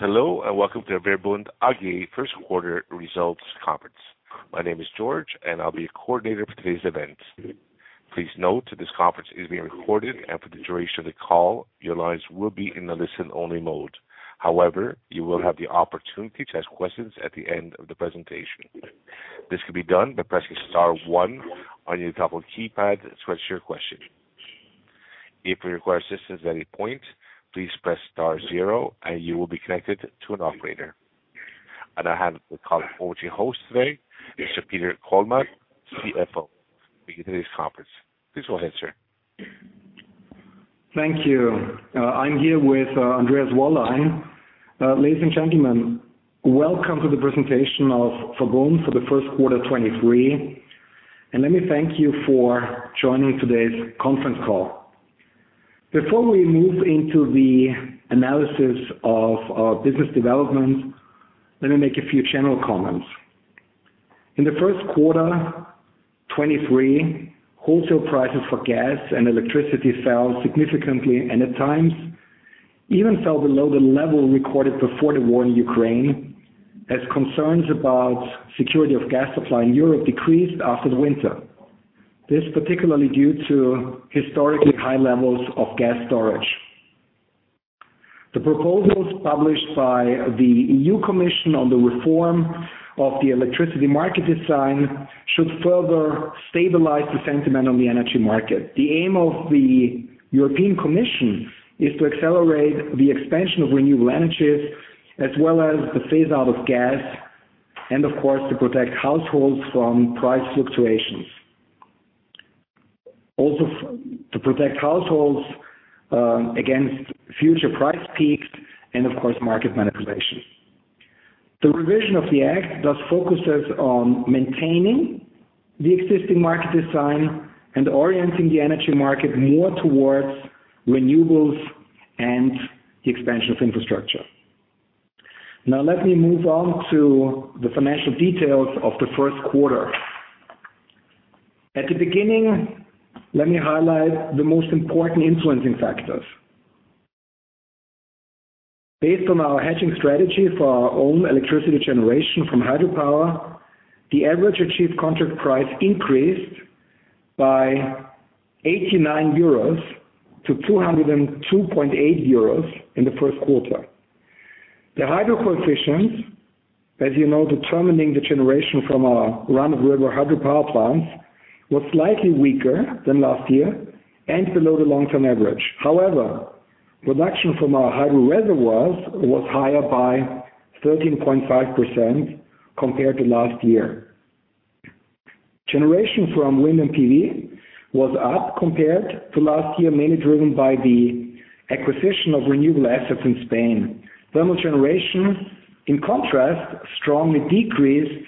Hello, welcome to the VERBUND AG First Quarter Results Conference. My name is George, I'll be your coordinator for today's event. Please note, this conference is being recorded, for the duration of the call, your lines will be in a listen-only mode. You will have the opportunity to ask questions at the end of the presentation. This can be done by pressing star one on your telephone keypad to register your question. If you require assistance at any point, please press star zero you will be connected to an operator. I have with me to host today, Mr. Peter Kollmann, CFO, to begin today's conference. Please go ahead, sir. Thank you. I'm here with Andreas Wollein. Ladies and gentlemen, welcome to the presentation of VERBUND for the first quarter 2023. Let me thank you for joining today's conference call. Before we move into the analysis of our business development, let me make a few general comments. In the first quarter 2023, wholesale prices for gas and electricity fell significantly and, at times, even fell below the level recorded before the war in Ukraine, as concerns about security of gas supply in Europe decreased after the winter. This particularly due to historically high levels of gas storage. The proposals published by the EU Commission on the reform of the electricity market design should further stabilize the sentiment on the energy market. The aim of the European Commission is to accelerate the expansion of renewable energies, as well as the phase-out of gas and, of course, to protect households from price fluctuations. To protect households against future price peaks and, of course, market manipulation. The revision of the act thus focuses on maintaining the existing market design and orienting the energy market more towards renewables and the expansion of infrastructure. Let me move on to the financial details of the first quarter. At the beginning, let me highlight the most important influencing factors. Based on our hedging strategy for our own electricity generation from hydropower, the average achieved contract price increased by 89-202.8 euros in the first quarter. The hydro coefficients, as you know, determining the generation from our run-of-river hydropower plants, were slightly weaker than last year and below the long-term average. However, production from our hydro reservoirs was higher by 13.5% compared to last year. Generation from wind and PV was up compared to last year, mainly driven by the acquisition of renewable assets in Spain. Thermal generation, in contrast, strongly decreased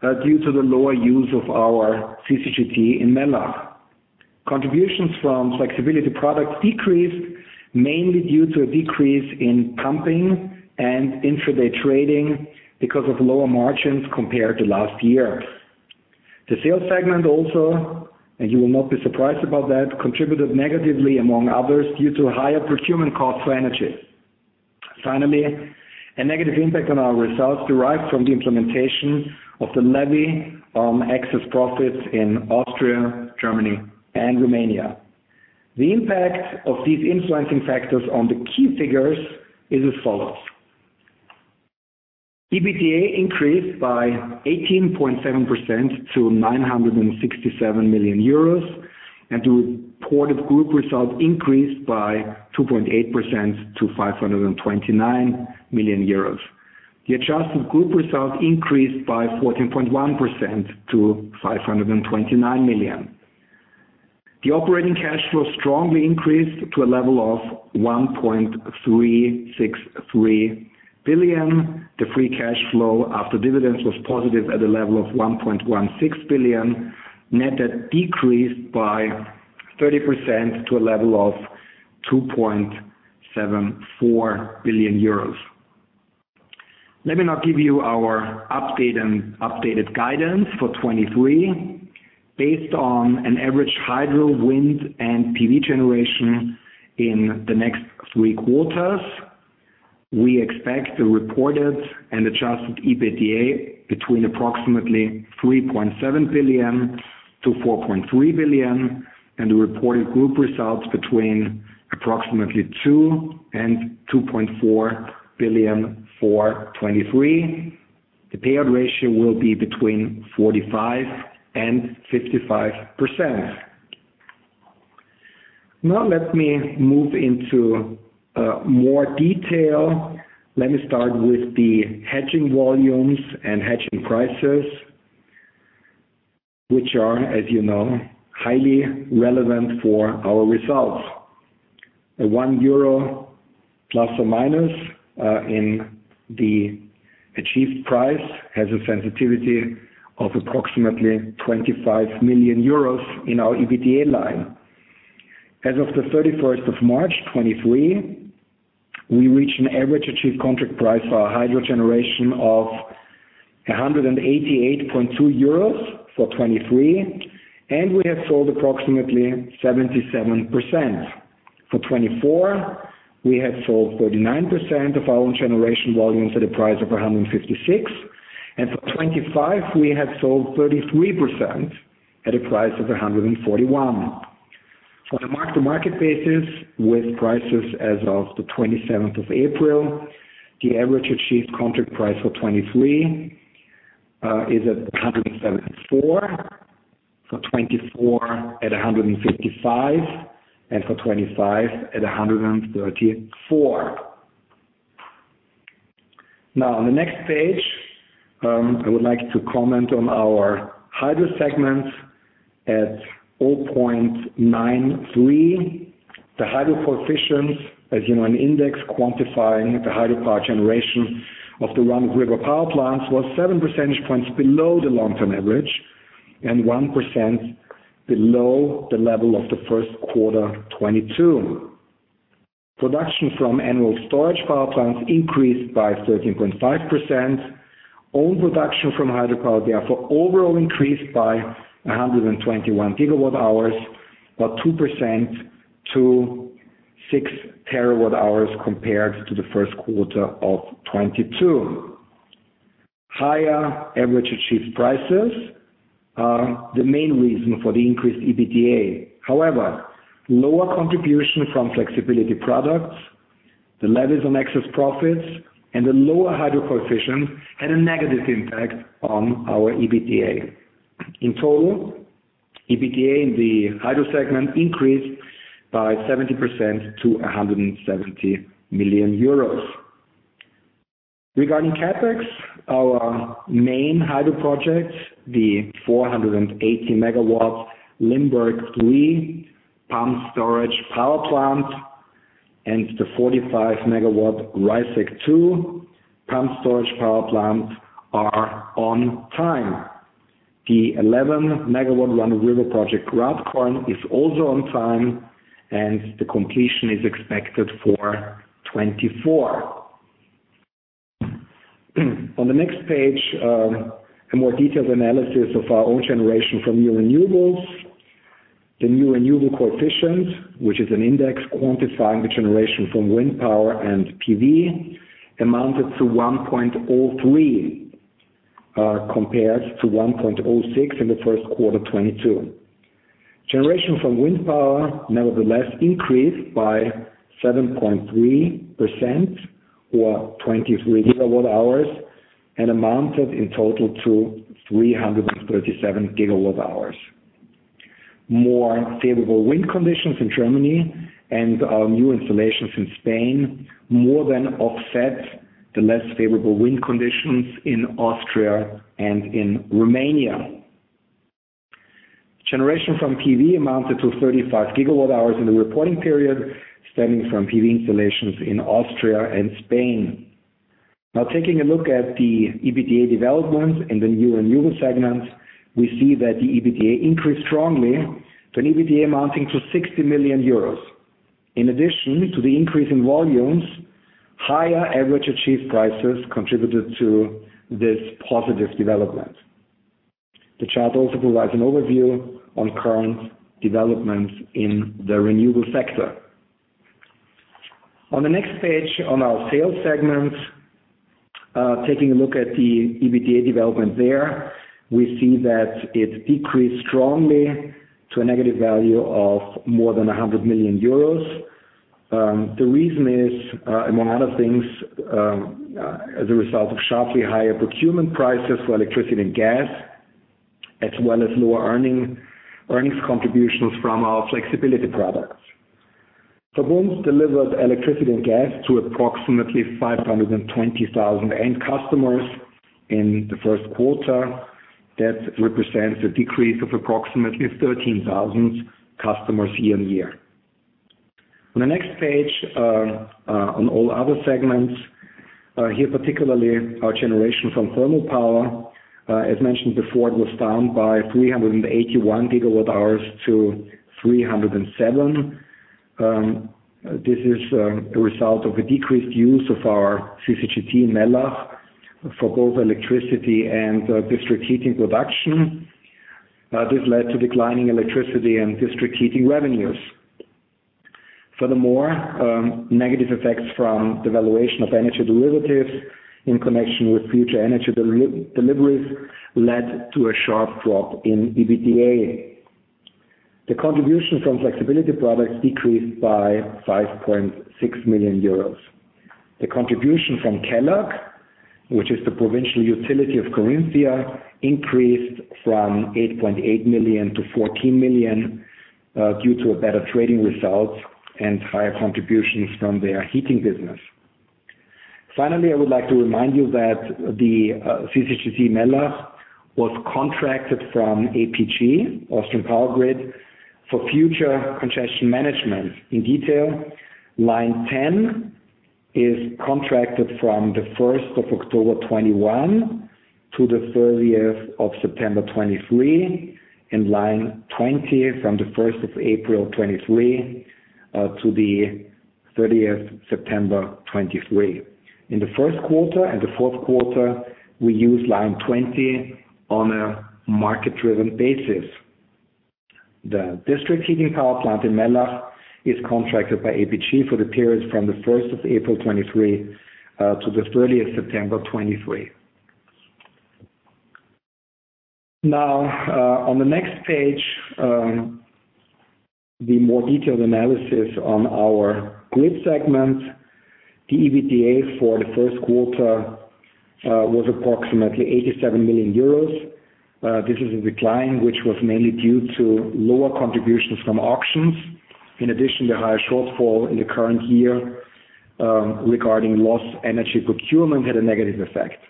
due to the lower use of our CCGT in Mellach. Contributions from flexibility products decreased mainly due to a decrease in pumping and intraday trading because of lower margins compared to last year. The sales segment also, and you will not be surprised about that, contributed negatively, among others, due to higher procurement costs for energy. Finally, a negative impact on our results derived from the implementation of the levy on excess profits in Austria, Germany, and Romania. The impact of these influencing factors on the key figures is as follows. EBITDA increased by 18.7% to 967 million euros. The reported group results increased by 2.8% to 529 million euros. The adjusted group results increased by 14.1% to 529 million. The operating cash flow strongly increased to a level of 1.363 billion. The free cash flow after dividends was positive at a level of 1.16 billion. Net debt decreased by 30% to a level of 2.74 billion euros. Let me now give you our update and updated guidance for 2023. Based on an average hydro, wind, and PV generation in the next three quarters, we expect the reported and adjusted EBITDA between approximately 3.7 billion-4.3 billion, and the reported group results between approximately 2 billion and 2.4 billion for 2023. The payout ratio will be between 45%-55%. Now let me move into more detail. Let me start with the hedging volumes and hedging prices, which are, as you know, highly relevant for our results. A 1 euro, ±, in the achieved price has a sensitivity of approximately 25 million euros in our EBITDA line. As of March 31st, 2023, we reached an average achieved contract price for our hydro generation of 188.2 euros for 2023, and we have sold approximately 77%. For 2024, we have sold 39% of our own generation volumes at a price of 156. For 2025, we have sold 33% at a price of 141. For the mark to market basis with prices as of the 27th of April, the average achieved contract price for 2023 is at 174, for 2024 at 155, and for 2025 at 134. On the next page, I would like to comment on our hydro segments at 0.93. The hydro coefficients, as you know, an index quantifying the hydropower generation of the run-of-river power plants was 7 percentage points below the long-term average and 1% below the level of the first quarter 2022. Production from annual storage power plants increased by 13.5%. All production from hydropower, therefore, overall increased by 121 gigawatt hours, about 2% to 6 TWh compared to the first quarter of 2022. Higher average achieved prices are the main reason for the increased EBITDA. Lower contribution from flexibility products, the levies on excess profits, and the lower hydro coefficients had a negative impact on our EBITDA. In total, EBITDA in the hydro segment increased by 70% to 170 million euros. Regarding CapEx, our main hydro projects, the 480 MW Limberg III pump storage power plant, and the 45 MW Reißeck II pump storage power plant are on time. The 11 MW run-of-river project Radkersburg is also on time and the completion is expected for 2024. On the next page, a more detailed analysis of our own generation from new renewables. The new renewable coefficient, which is an index quantifying the generation from wind power and PV, amounted to 1.03 compared to 1.06 in the first quarter 2022. Generation from wind power, nevertheless, increased by 7.3% or 23 GWh and amounted in total to 337 GWh. More favorable wind conditions in Germany and our new installations in Spain more than offset the less favorable wind conditions in Austria and in Romania. Generation from PV amounted to 35 GWh in the reporting period, stemming from PV installations in Austria and Spain. Now taking a look at the EBITDA development in the new renewable segments, we see that the EBITDA increased strongly to an EBITDA amounting to 60 million euros. In addition to the increase in volumes, higher average achieved prices contributed to this positive development. The chart also provides an overview on current developments in the renewable sector. On the next page on our sales segment, taking a look at the EBITDA development there, we see that it decreased strongly to a negative value of more than 100 million euros. The reason is, among other things, as a result of sharply higher procurement prices for electricity and gas, as well as lower earnings contributions from our flexibility products. VERBUND delivered electricity and gas to approximately 520,000 end customers in the first quarter. That represents a decrease of approximately 13,000 customers year-on-year. On the next page, on all other segments, here, particularly our generation from thermal power, as mentioned before, it was down by 381 GWh to 307. This is a result of a decreased use of our CCGT Mellach for both electricity and district heating production. This led to declining electricity and district heating revenues. Furthermore, negative effects from the valuation of energy derivatives in connection with future energy deliveries led to a sharp drop in EBITDA. The contribution from flexibility products decreased by 5.6 million euros. The contribution from Kelag, which is the provincial utility of Carinthia, increased from 8.8 million to 14 million due to a better trading result and higher contributions from their heating business. Finally, I would like to remind you that the CCGT Mellach was contracted from APG, Austrian Power Grid, for future concession management. In detail, line 10 is contracted from October 1, 2021 to September 30, 2023, and line 20 from April 1st, 2023, to September 30th, 2023. In the 1st quarter and the 4th quarter, we use line 20 on a market-driven basis. The district heating power plant in Mellach is contracted by APG for the period from April 1st, 2023, to September 30th, 2023. On the next page, the more detailed analysis on our grid segment. The EBITDA for the 1st quarter was approximately 87 million euros. This is a decline which was mainly due to lower contributions from auctions. In addition, the higher shortfall in the current year regarding loss energy procurement had a negative effect.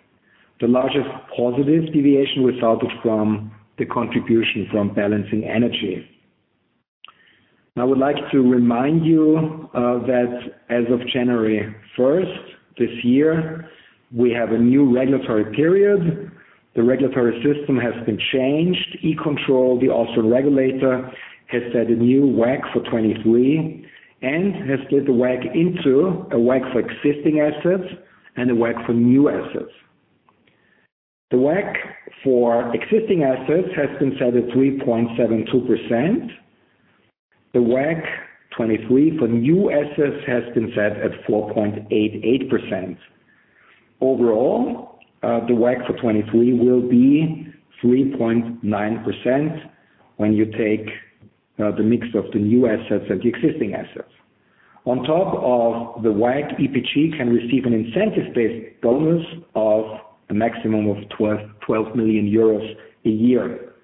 The largest positive deviation resulted from the contribution from balancing energy. I would like to remind you that as of January 1st this year, we have a new regulatory period. The regulatory system has been changed. E-Control, the Austrian regulator, has set a new WACC for 23 and has split the WACC into a WACC for existing assets and a WACC for new assets. The WACC for existing assets has been set at 3.72%. The WACC 23 for new assets has been set at 4.88%. Overall, the WACC for 23 will be 3.9% when you take the mix of the new assets and the existing assets. On top of the WACC, APG can receive an incentive-based bonus of a maximum of 12 million euros a year.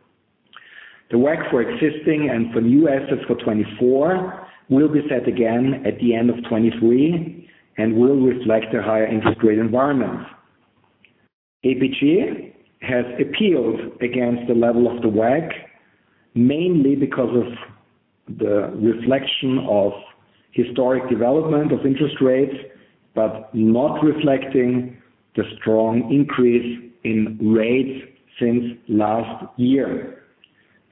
The WACC for existing and for new assets for 2024 will be set again at the end of 2023 and will reflect a higher interest rate environment. APG has appealed against the level of the WACC, mainly because of the reflection of historic development of interest rates, but not reflecting the strong increase in rates since last year.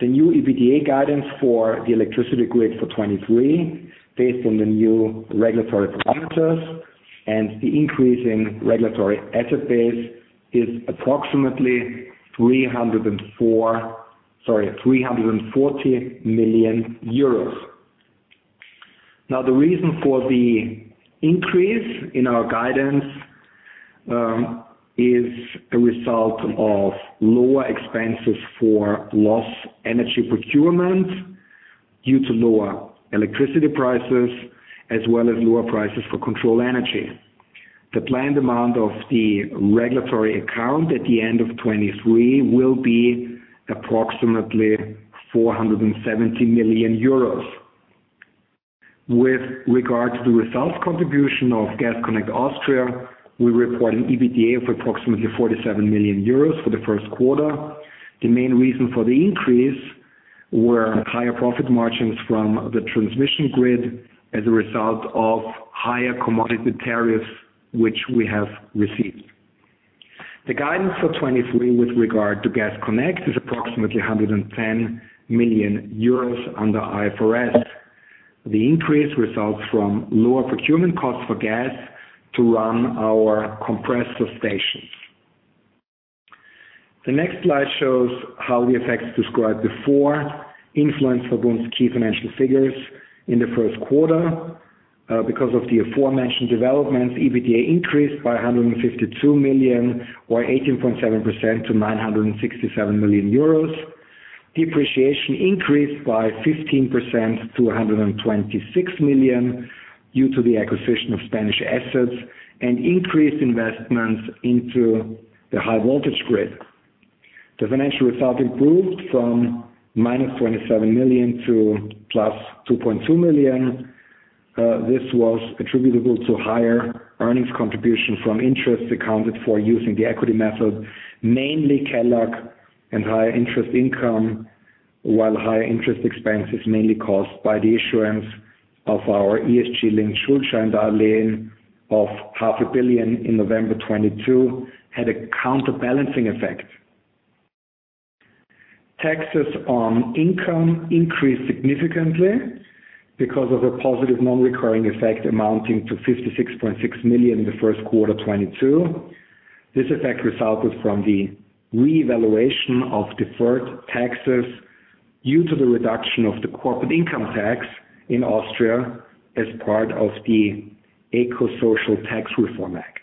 The new EBITDA guidance for the electricity grid for 2023, based on the new regulatory parameters and the increase in regulatory asset base, is approximately 304 million, sorry, 340 million euros. The reason for the increase in our guidance is a result of lower expenses for loss energy procurement due to lower electricity prices as well as lower prices for control energy. The planned amount of the regulatory account at the end of 2023 will be approximately 470 million euros. With regard to the results contribution of Gas Connect Austria, we report an EBITDA of approximately 47 million euros for the first quarter. The main reason for the increase were higher profit margins from the transmission grid as a result of higher commodity tariffs, which we have received. The guidance for 2023 with regard to Gas Connect is approximately 110 million euros under IFRS. The increase results from lower procurement costs for gas to run our compressor stations. The next slide shows how the effects described before influence VERBUND's key financial figures in the first quarter. Because of the aforementioned developments, EBITDA increased by 152 million or 18.7% to 967 million euros. Depreciation increased by 15% to 126 million due to the acquisition of Spanish assets and increased investments into the high voltage grid. The financial result improved from minus 27 million to plus 2.2 million. This was attributable to higher earnings contribution from interest accounted for using the equity method, mainly Kelag and higher interest income, while higher interest expense is mainly caused by the issuance of our ESG linked Schuldscheindarlehen of half a billion in November 2022 had a counterbalancing effect. Taxes on income increased significantly because of a positive non-recurring effect amounting to 56.6 million in the first quarter 2022. This effect resulted from the reevaluation of deferred taxes due to the reduction of the corporate income tax in Austria as part of the Eco-social tax reform Act.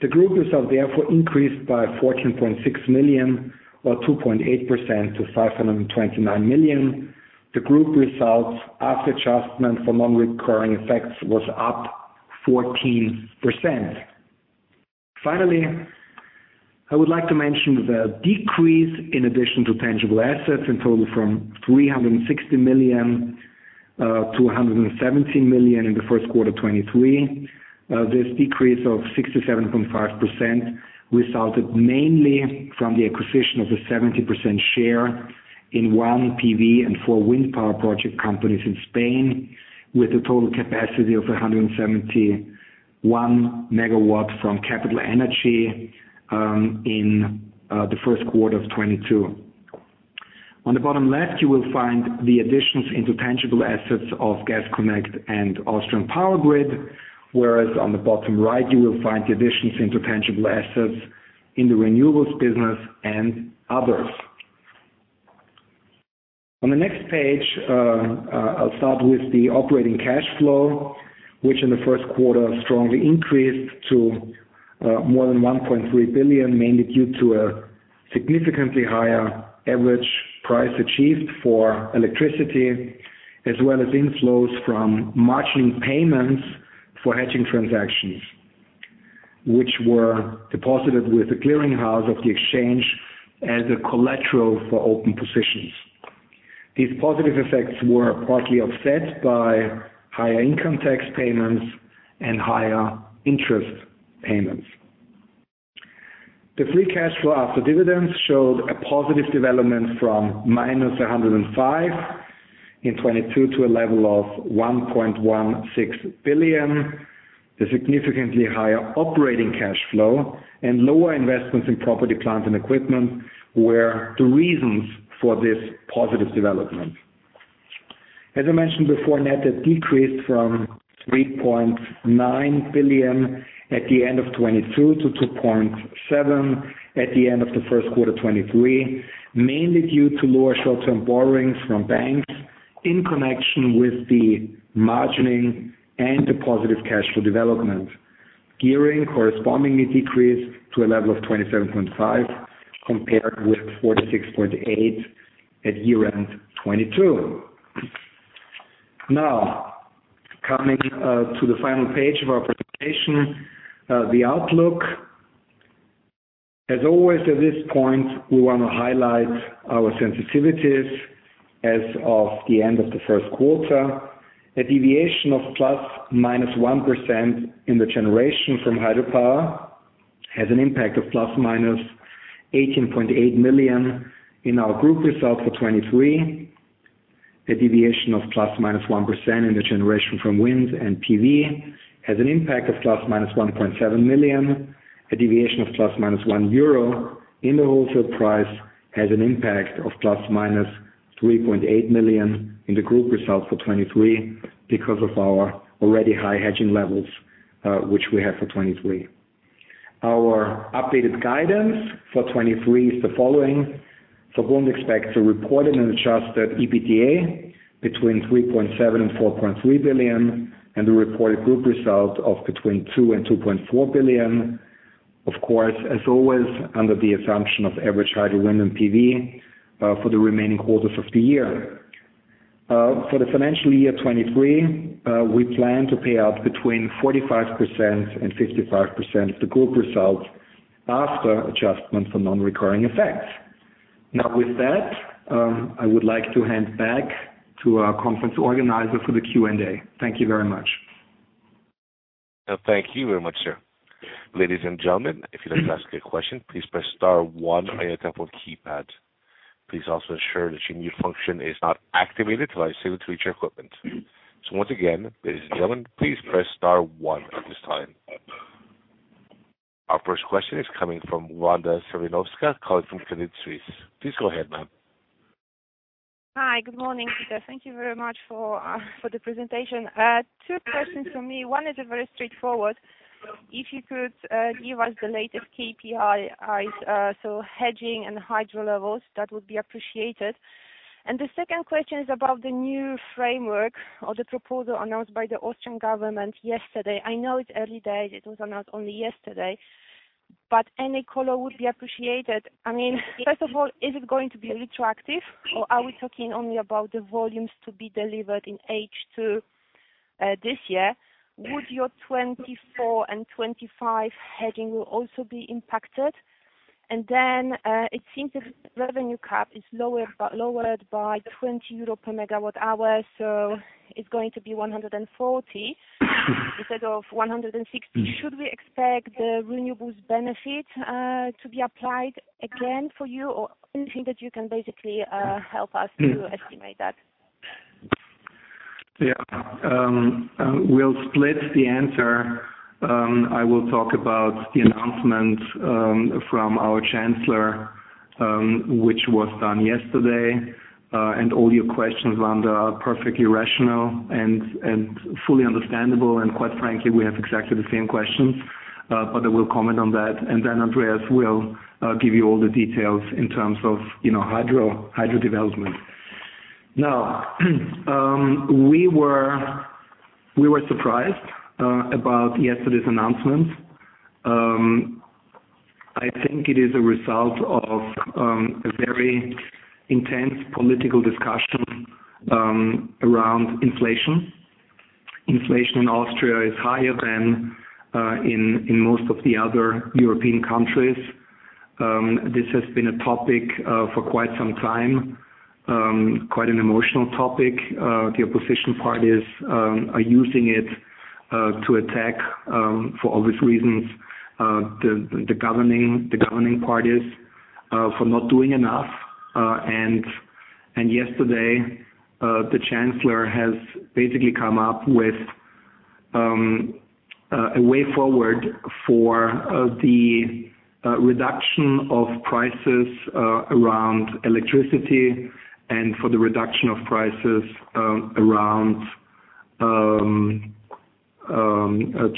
The group results therefore increased by 14.6 million or 2.8% to 529 million. The group results after adjustment for non-recurring effects was up 14%. I would like to mention the decrease in addition to tangible assets in total from 360 million to 117 million in Q1 2023. This decrease of 67.5% resulted mainly from the acquisition of a 70% share in one PV and four wind power project companies in Spain with a total capacity of 171 MW from Capital Energy in Q1 2022. On the bottom left, you will find the additions into tangible assets of Gas Connect and Austrian Power Grid. On the bottom right, you will find the additions into tangible assets in the renewables business and others. On the next page, I'll start with the operating cash flow, which in the first quarter strongly increased to more than 1.3 billion, mainly due to a significantly higher average price achieved for electricity, as well as inflows from margin payments for hedging transactions, which were deposited with the clearing house of the exchange as a collateral for open positions. These positive effects were partly offset by higher income tax payments and higher interest payments. The free cash flow after dividends showed a positive development from minus 105 in 2022 to a level of 1.16 billion. The significantly higher operating cash flow and lower investments in property, plant and equipment were the reasons for this positive development. As I mentioned before, net debt decreased from 3.9 billion at the end of 2022 to 2.7 billion at the end of the first quarter 2023, mainly due to lower short-term borrowings from banks in connection with the margining and the positive cash flow development. Gearing correspondingly decreased to a level of 27.5%, compared with 46.8% at year-end 2022. Coming to the final page of our presentation, the outlook. As always at this point, we wanna highlight our sensitivities as of the end of the first quarter. A deviation of +/-1% in the generation from hydropower has an impact of +/-EUR 18.8 million in our group results for 2023. A deviation of +/-1% in the generation from wind and PV has an impact of +/-EUR 1.7 million. A deviation of ±1 euro in the wholesale price has an impact of ±3.8 million in the group results for 2023 because of our already high hedging levels, which we have for 2023. Our updated guidance for 2023 is the following. Won't expect to report an adjusted EBITDA between 3.7 billion and 4.3 billion, and the reported group result of between 2 billion and 2.4 billion. Of course, as always, under the assumption of average hydro, wind and PV for the remaining quarters of the year. For the financial year 2023, we plan to pay out between 45% and 55% of the group results after adjustment for non-recurring effects. Now with that, I would like to hand back to our conference organizer for the Q&A. Thank you very much. Thank you very much, sir. Ladies and gentlemen, if you'd like to ask a question, please press star one on your telephone keypad. Please also ensure that your mute function is not activated until I say to reach your equipment. Once again, ladies and gentlemen, please press star one at this time. Our first question is coming from Wanda Serwinowska, calling from Credit Suisse. Please go ahead, ma'am. Hi. Good morning, Peter. Thank you very much for the presentation. Two questions from me. One is very straightforward. If you could give us the latest KPIs, so hedging and hydro levels, that would be appreciated. The second question is about the new framework or the proposal announced by the Austrian government yesterday. I know it's early days, it was announced only yesterday, but any color would be appreciated. I mean, first of all, is it going to be retroactive or are we talking only about the volumes to be delivered in H2 this year? Would your 2024 and 2025 hedging will also be impacted? Then, it seems the revenue cap is lower, lowered by 20 euro per MWh, so it's going to be 140 instead of 160. Should we expect the renewables benefit to be applied again for you? Anything that you can basically help us to estimate that? Yeah. We'll split the answer. I will talk about the announcement from our chancellor, which was done yesterday. All your questions, Wanda, are perfectly rational and fully understandable. Quite frankly, we have exactly the same questions. I will comment on that. Andreas will give you all the details in terms of, you know, hydro development. Now, we were surprised about yesterday's announcement. I think it is a result of a very intense political discussion around inflation. Inflation in Austria is higher than in most of the other European countries. This has been a topic for quite some time. Quite an emotional topic. The opposition parties are using it to attack for obvious reasons the governing parties for not doing enough. Yesterday, the chancellor has basically come up with a way forward for the reduction of prices around electricity and for the reduction of prices around a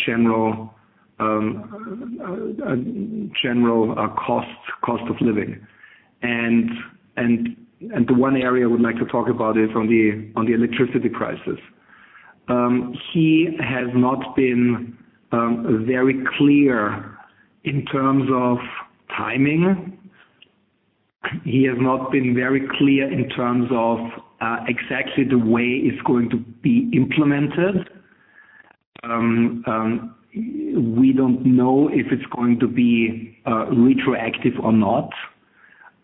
general cost of living. The one area I would like to talk about is on the electricity prices. He has not been very clear in terms of timing. He has not been very clear in terms of exactly the way it's going to be implemented. We don't know if it's going to be retroactive or not.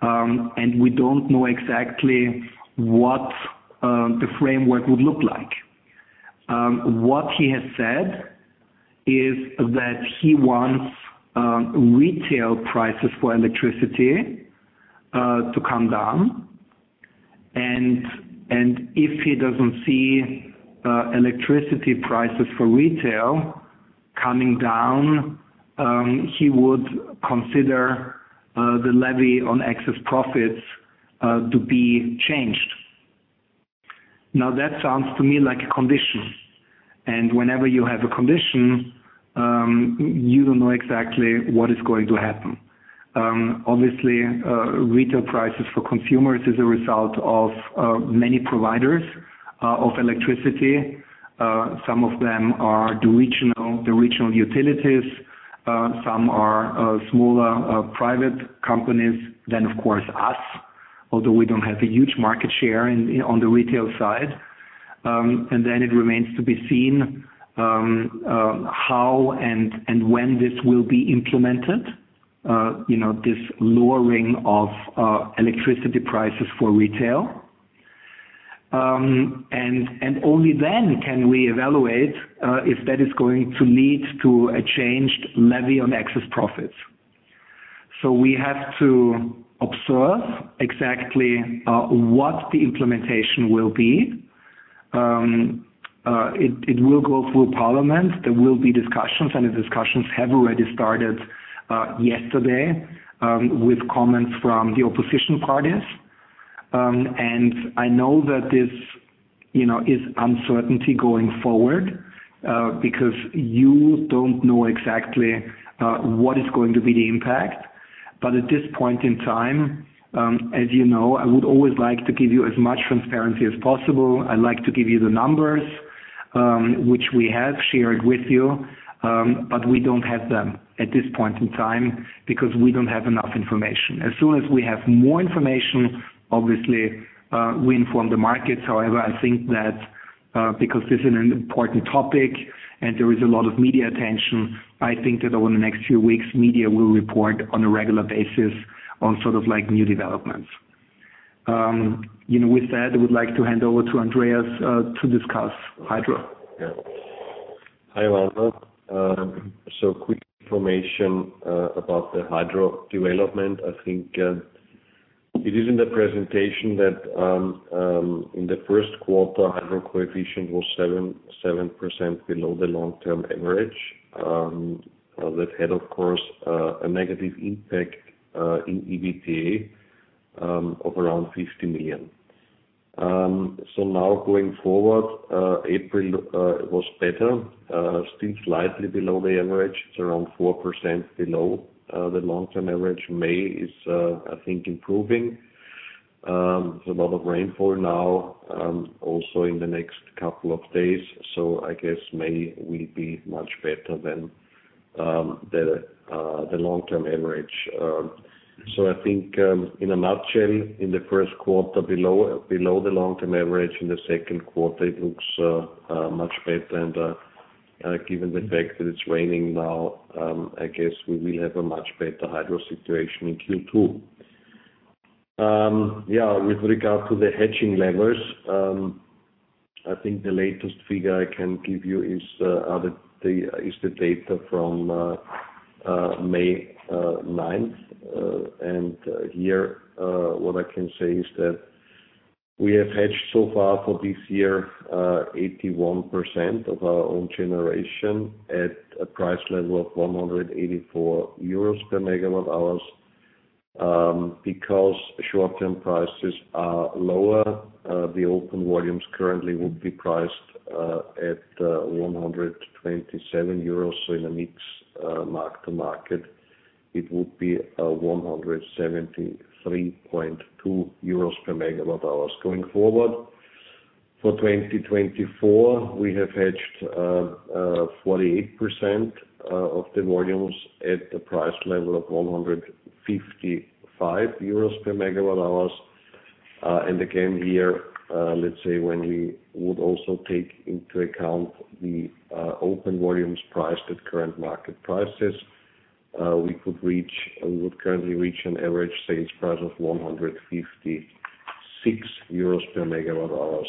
We don't know exactly what the framework would look like. What he has said is that he wants retail prices for electricity to come down. If he doesn't see electricity prices for retail coming down, he would consider the levy on excess profits to be changed. That sounds to me like a condition. Whenever you have a condition, you don't know exactly what is going to happen. Obviously, retail prices for consumers is a result of many providers of electricity. Some of them are the regional utilities, some are smaller private companies than, of course, us, although we don't have a huge market share on the retail side. It remains to be seen how and when this will be implemented, you know, this lowering of electricity prices for retail. Only then can we evaluate if that is going to lead to a changed levy on excess profits. We have to observe exactly what the implementation will be. It will go through parliament. There will be discussions, and the discussions have already started yesterday with comments from the opposition parties. I know that this, you know, is uncertainty going forward because you don't know exactly what is going to be the impact. At this point in time, as you know, I would always like to give you as much transparency as possible. I like to give you the numbers which we have shared with you. We don't have them at this point in time because we don't have enough information. As soon as we have more information, obviously, we inform the markets. I think that, because this is an important topic and there is a lot of media attention, I think that over the next few weeks, media will report on a regular basis on sort of like new developments. You know, with that, I would like to hand over to Andreas, to discuss hydro. Yeah. Hi, Wanda. Quick information about the hydro development. I think, it is in the presentation that in the first quarter, hydro coefficient was 7% below the long-term average. That had, of course, a negative impact in EBITDA of around 50 million. Now going forward, April was better, still slightly below the average. It's around 4% below the long-term average. May is, I think improving. There's a lot of rainfall now, also in the next couple of days. I guess May will be much better than the long-term average. I think, in a nutshell, in the first quarter below the long-term average. In the second quarter, it looks much better. Given the fact that it's raining now, I guess we will have a much better hydro situation in Q2. Yeah, with regard to the hedging levels, I think the latest figure I can give you is the data from May 9th. Here, what I can say is that we have hedged so far for this year, 81% of our own generation at a price level of 184 euros per MWh. Because short-term prices are lower, the open volumes currently would be priced at 127 euros. In a mix, mark-to-market, it would be 173.2 euros per MWh. Going forward, for 2024, we have hedged 48% of the volumes at the price level of 155 euros per MWh. Again, here, let's say when we would also take into account the open volumes priced at current market prices, we would currently reach an average sales price of 156 euros per MWh.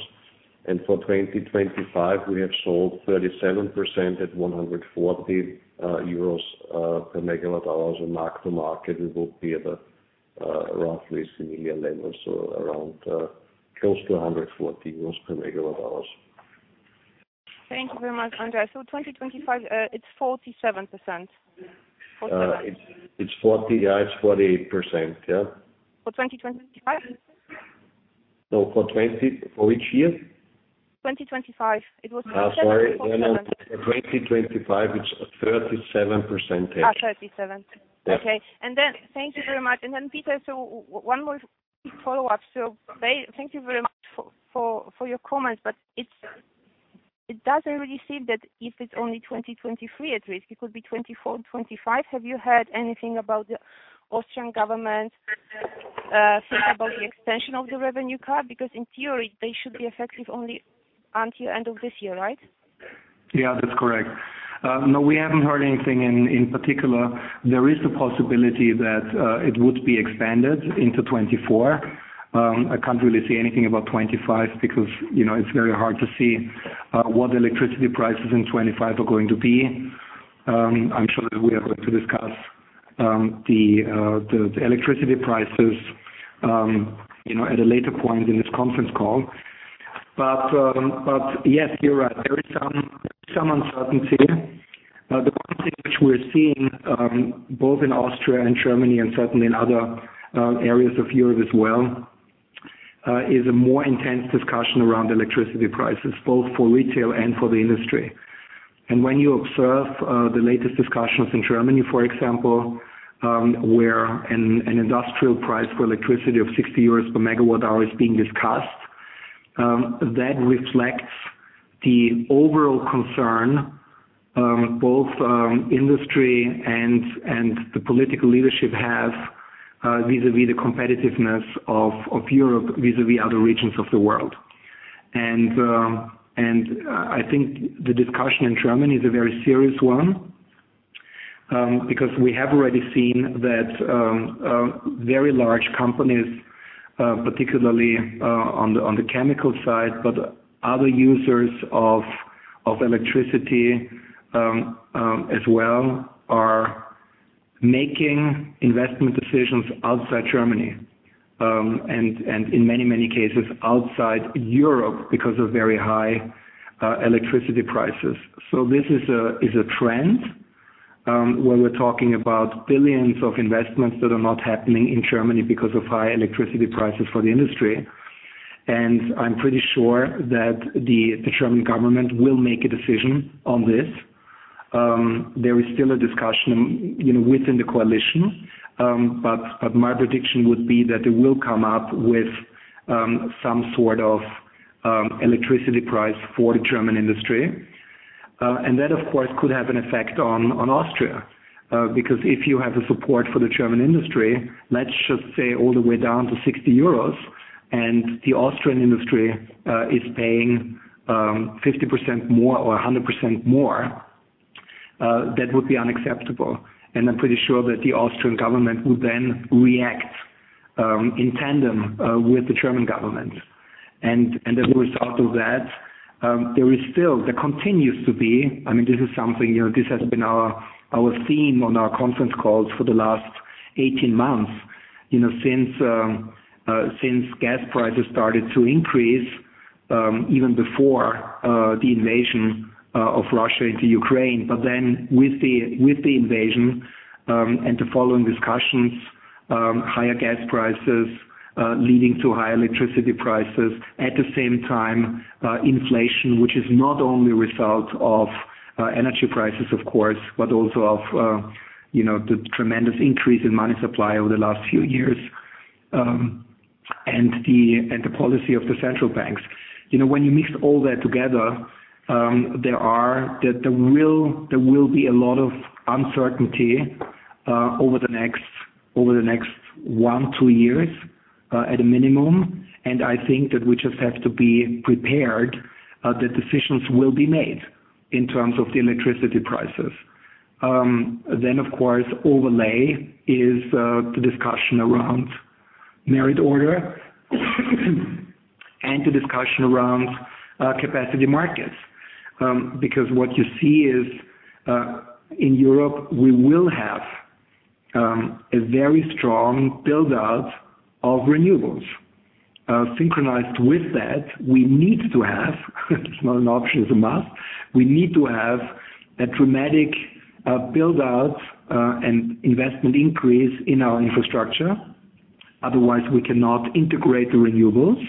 For 2025, we have sold 37% at 140 euros per MWh. Mark to market, it will be at roughly similar levels, so around, close to 140 euros per MWh. Thank you very much, Andreas. 2025, it's 47%. It's Yeah, it's 48%. Yeah. For 2025? No, for which year? 2025. Oh, sorry. In 2025, it's a 37%. Oh, 37. Yeah. Thank you very much. Peter, one more quick follow-up. Thank you very much for your comments, but it doesn't really seem that if it's only 2023 at risk, it could be 2024 and 2025. Have you heard anything about the Austrian government think about the extension of the revenue card? In theory, they should be effective only until end of this year, right? Yeah, that's correct. No, we haven't heard anything in particular. There is a possibility that it would be expanded into 2024. I can't really say anything about 2025 because, you know, it's very hard to see what electricity prices in 2025 are going to be. I'm sure that we are going to discuss the electricity prices, you know, at a later point in this conference call. Yes, you're right. There is some uncertainty. The one thing which we're seeing, both in Austria and Germany and certainly in other areas of Europe as well, is a more intense discussion around electricity prices, both for retail and for the industry. When you observe the latest discussions in Germany, for example, where an industrial price for electricity of 60 euros per MWh is being discussed, that reflects the overall concern, both industry and the political leadership have, vis-a-vis the competitiveness of Europe, vis-a-vis other regions of the world. I think the discussion in Germany is a very serious one, because we have already seen that very large companies, particularly on the chemical side, but other users of electricity as well, are making investment decisions outside Germany. In many, many cases outside Europe because of very high electricity prices. This is a trend, when we're talking about billions of investments that are not happening in Germany because of high electricity prices for the industry, and I'm pretty sure that the German government will make a decision on this. There is still a discussion, you know, within the coalition, but my prediction would be that they will come up with some sort of electricity price for the German industry. And that, of course, could have an effect on Austria, because if you have a support for the German industry, let's just say all the way down to 60 euros and the Austrian industry is paying 50% more or 100% more, that would be unacceptable. I'm pretty sure that the Austrian government would then react in tandem with the German government. As a result of that, there continues to be, I mean, this is something, you know, this has been our theme on our conference calls for the last 18 months. You know, since gas prices started to increase even before the invasion of Russia into Ukraine. With the invasion and the following discussions, higher gas prices leading to higher electricity prices. At the same time, inflation, which is not only a result of energy prices of course, but also of, you know, the tremendous increase in money supply over the last few years and the policy of the central banks. You know, when you mix all that together, there will be a lot of uncertainty over the next one years, two years at a minimum. I think that we just have to be prepared that decisions will be made in terms of the electricity prices. Of course, overlay is the discussion around merit order, and the discussion around capacity markets. What you see is in Europe, we will have a very strong build-out of renewables. Synchronized with that, we need to have, it's not an option, it's a must. We need to have a dramatic build-out and investment increase in our infrastructure, otherwise we cannot integrate the renewables.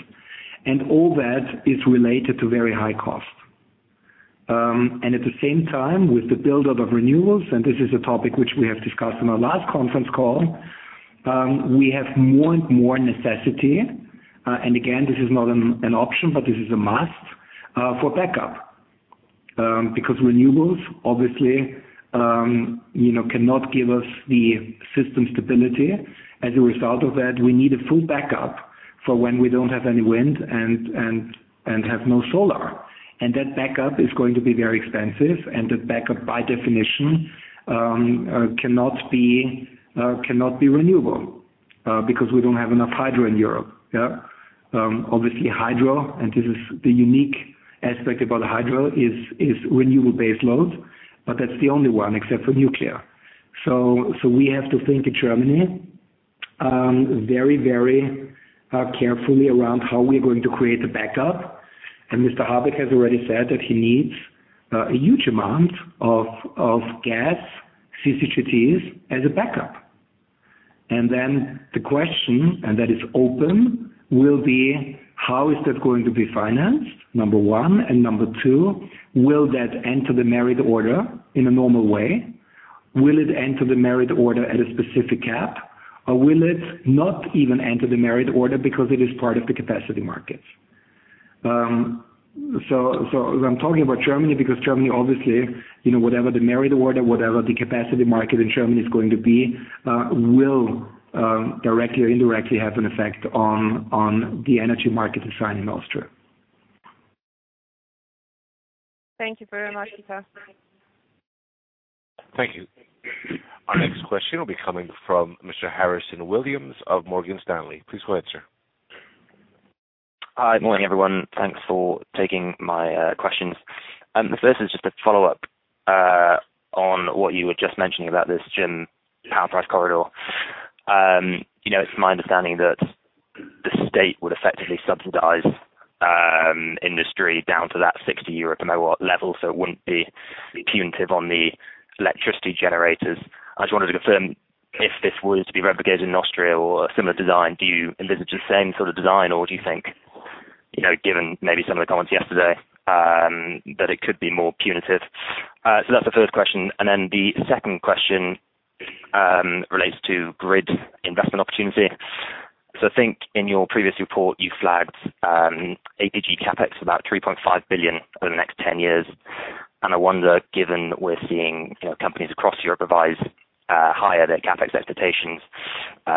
All that is related to very high cost. At the same time, with the build-up of renewables, this is a topic which we have discussed in our last conference call, we have more and more necessity. Again, this is not an option, but this is a must for backup. Renewables obviously, you know, cannot give us the system stability. As a result of that, we need a full backup for when we don't have any wind and have no solar. That backup is going to be very expensive. The backup by definition, cannot be renewable, because we don't have enough hydro in Europe. Obviously hydro, this is the unique aspect about hydro is renewable base load, but that's the only one except for nuclear. We have to think in Germany very, very carefully around how we're going to create the backup. Mr. Habeck has already said that he needs a huge amount of gas CCGTs as a backup. Then the question, and that is open, will be how is that going to be financed, number one. Number two, will that enter the merit order in a normal way? Will it enter the merit order at a specific cap, or will it not even enter the merit order because it is part of the capacity markets? I'm talking about Germany because Germany obviously, you know, whatever the merit order, whatever the capacity market in Germany is going to be, will directly or indirectly have an effect on the energy market design in Austria. Thank you very much, Karlot. Thank you. Our next question will be coming from Mr. Harrison Williams of Morgan Stanley. Please go ahead, sir. Hi. Morning, everyone. Thanks for taking my questions. The first is just a follow-up on what you were just mentioning about this German power price corridor. You know, it's my understanding that the state would effectively subsidize industry down to that 60 euro per MW level, so it wouldn't be punitive on the electricity generators. I just wanted to confirm if this was to be replicated in Austria or a similar design. Do you envisage the same sort of design, or do you think, you know, given maybe some of the comments yesterday that it could be more punitive? That's the first question. The second question relates to grid investment opportunity. I think in your previous report, you flagged APG CapEx about 3.5 billion over the next 10 years. I wonder, given we're seeing, you know, companies across Europe revise higher their CapEx expectations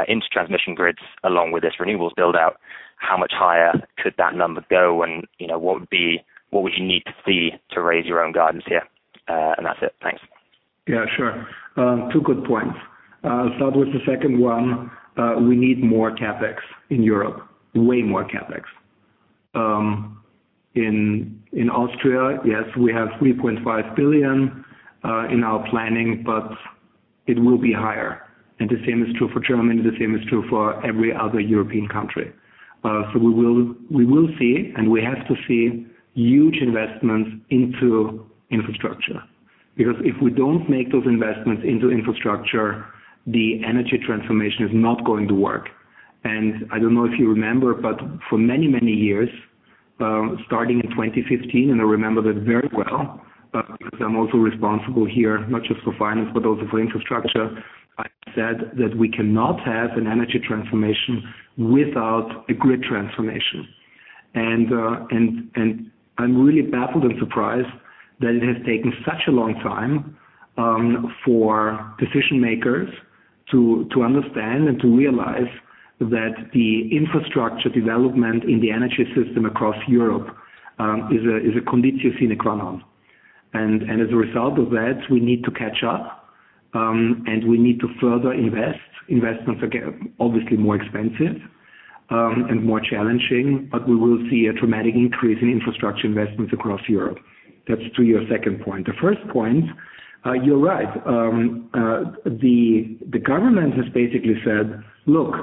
into transmission grids along with this renewables build-out, how much higher could that number go? You know, what would you need to see to raise your own guidance here? That's it. Thanks. Yeah, sure. Two good points. Start with the second one. We need more CapEx in Europe, way more CapEx. In Austria, yes, we have 3.5 billion in our planning, but it will be higher. The same is true for Germany, the same is true for every other European country. We will see, and we have to see huge investments into infrastructure. If we don't make those investments into infrastructure, the energy transformation is not going to work. I don't know if you remember, but for many, many years, starting in 2015, and I remember that very well, because I'm also responsible here, not just for finance, but also for infrastructure. I said that we cannot have an energy transformation without a grid transformation. I'm really baffled and surprised that it has taken such a long time for decision makers to understand and to realize that the infrastructure development in the energy system across Europe is a condition sine qua non. As a result of that, we need to catch up and we need to further invest. Investments are obviously more expensive and more challenging, but we will see a dramatic increase in infrastructure investments across Europe. That's to your second point. The first point, you're right. The government has basically said, "Look,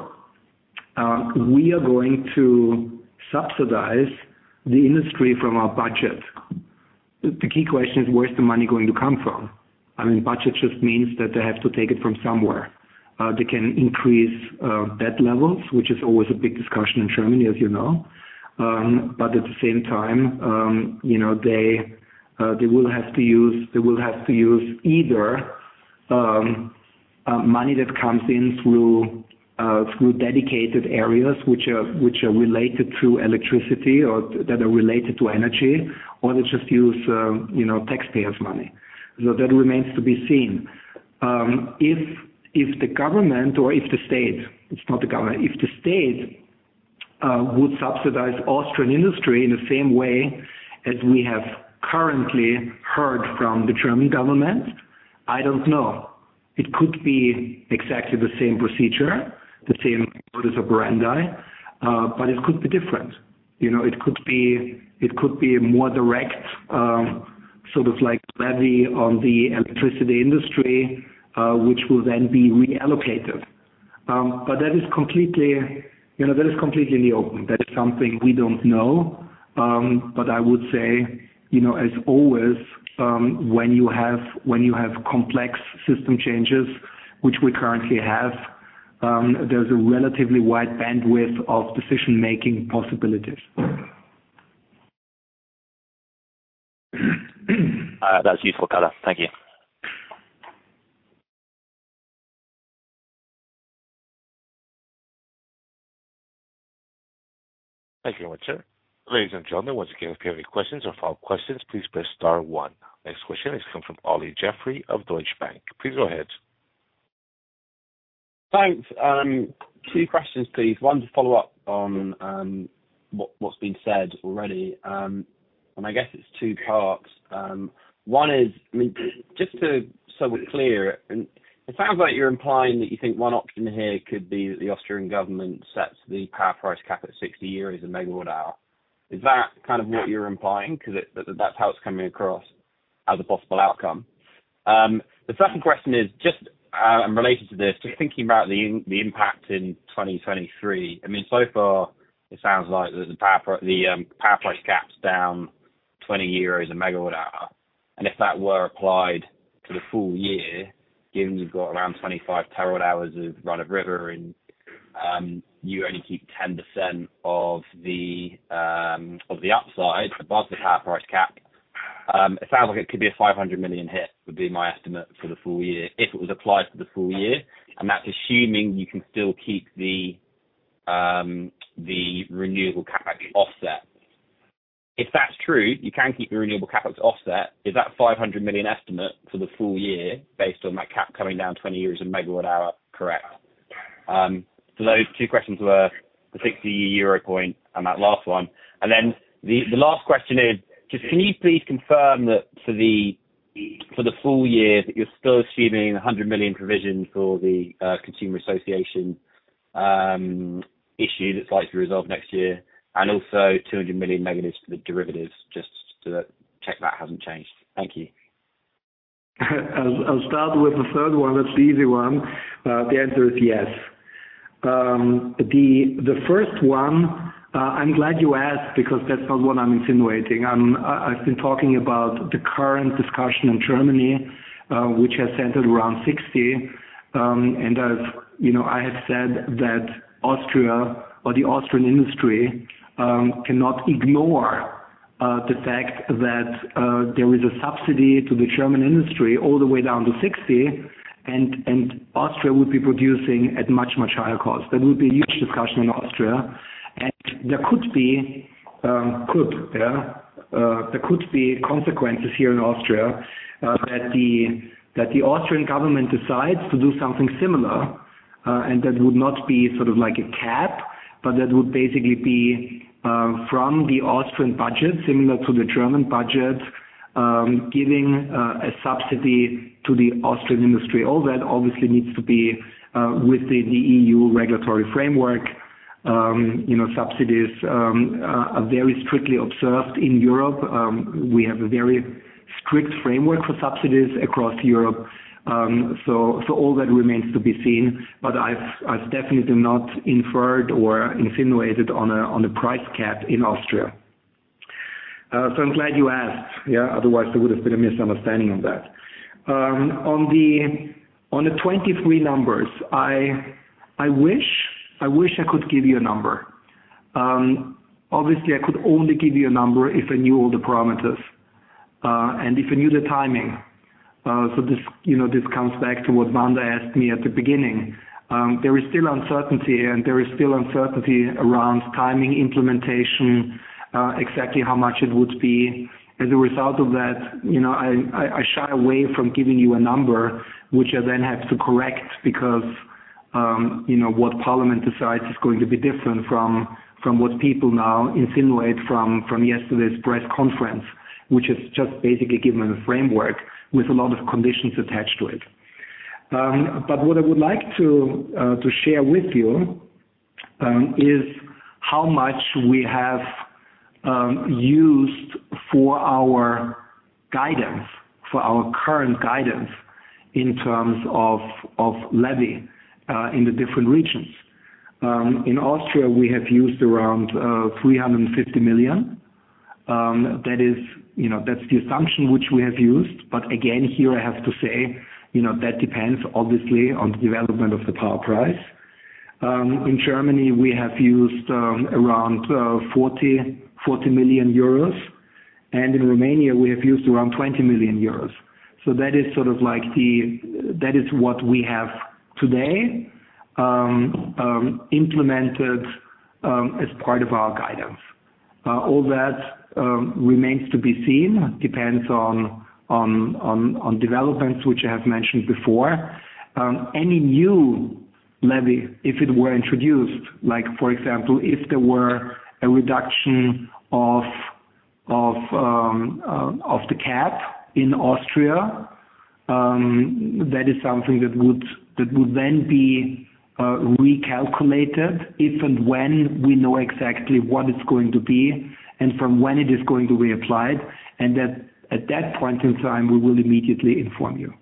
we are going to subsidize the industry from our budget." The key question is, where's the money going to come from? I mean, budget just means that they have to take it from somewhere. They can increase debt levels, which is always a big discussion in Germany, as you know. At the same time, you know, they will have to use either money that comes in through dedicated areas which are related to electricity or that are related to energy, or they just use, you know, taxpayers' money. That remains to be seen. If the government or if the state, it's not the government, if the state would subsidize Austrian industry in the same way as we have currently heard from the German government, I don't know. It could be exactly the same procedure, the same modus operandi, but it could be different. You know, it could be, it could be more direct, sort of like levy on the electricity industry, which will then be reallocated. That is completely, you know, that is completely in the open. That is something we don't know. I would say, you know, as always, when you have, when you have complex system changes, which we currently have, there's a relatively wide bandwidth of decision-making possibilities. That's useful, Karlot. Thank you. Thank you, sir. Ladies and gentlemen, once again, if you have any questions or follow-up questions, please press star one. Next question is coming from Olly Jeffery of Deutsche Bank. Please go ahead. Thanks. Two questions, please. One to follow up on what's been said already. I guess it's two parts. One is, I mean, just to, so we're clear, and it sounds like you're implying that you think one option here could be that the Austrian government sets the power price cap at 60 euros a MWh. Is that kind of what you're implying? Cause that's how it's coming across as a possible outcome. The second question is just, and related to this, just thinking about the impact in 2023. I mean, so far it sounds like the power price cap's down 20 euros a MWh. If that were applied to the full year, given you've got around 25 terawatt hours of run-of-river and you only keep 10% of the upside above the power price cap, it sounds like it could be a 500 million hit, would be my estimate for the full year, if it was applied for the full year. That's assuming you can still keep the renewable CAPEX offset. If that's true, you can keep the renewable CAPEX offset. Is that 500 million estimate for the full year based on that cap coming down 20 a MWh correct? Those two questions were the 60 euro point and that last one. The last question is, just can you please confirm that for the full year, that you're still assuming 100 million provision for the consumer association issue that's likely to be resolved next year, and also 200 million negatives for the derivatives, just to check that hasn't changed. Thank you. I'll start with the third one. That's the easy one. The answer is yes. The first one, I'm glad you asked, because that's not what I'm insinuating. I've been talking about the current discussion in Germany, which has centered around 60. As you know, I have said that Austria or the Austrian industry cannot ignore the fact that there is a subsidy to the German industry all the way down to 60, and Austria would be producing at much, much higher cost. That would be a huge discussion in Austria, and there could be consequences here in Austria that the Austrian government decides to do something similar. That would not be sort of like a cap, but that would basically be from the Austrian budget, similar to the German budget, giving a subsidy to the Austrian industry. All that obviously needs to be within the EU regulatory framework. You know, subsidies are very strictly observed in Europe. We have a very strict framework for subsidies across Europe. All that remains to be seen. I've definitely not inferred or insinuated on a price cap in Austria. I'm glad you asked, yeah. Otherwise there would have been a misunderstanding on that. On the 23 numbers, I wish I could give you a number. Obviously, I could only give you a number if I knew all the parameters, and if I knew the timing. This, you know, this comes back to what Vanda asked me at the beginning. There is still uncertainty here, and there is still uncertainty around timing, implementation, exactly how much it would be. As a result of that, you know, I shy away from giving you a number which I then have to correct because, you know, what parliament decides is going to be different from what people now insinuate from yesterday's press conference, which is just basically giving a framework with a lot of conditions attached to it. What I would like to share with you is how much we have used for our guidance, for our current guidance in terms of levy in the different regions. In Austria, we have used around 350 million. That is, you know, that's the assumption which we have used. Again, here I have to say, you know, that depends obviously on the development of the power price. In Germany we have used around 40 million euros, and in Romania we have used around 20 million euros. That is sort of like that is what we have today implemented as part of our guidance. All that remains to be seen, depends on developments which I have mentioned before. Any new levy, if it were introduced, like for example, if there were a reduction of the cap in Austria, that is something that would then be recalculated if and when we know exactly what it's going to be and from when it is going to be applied, and at that point in time, we will immediately inform you.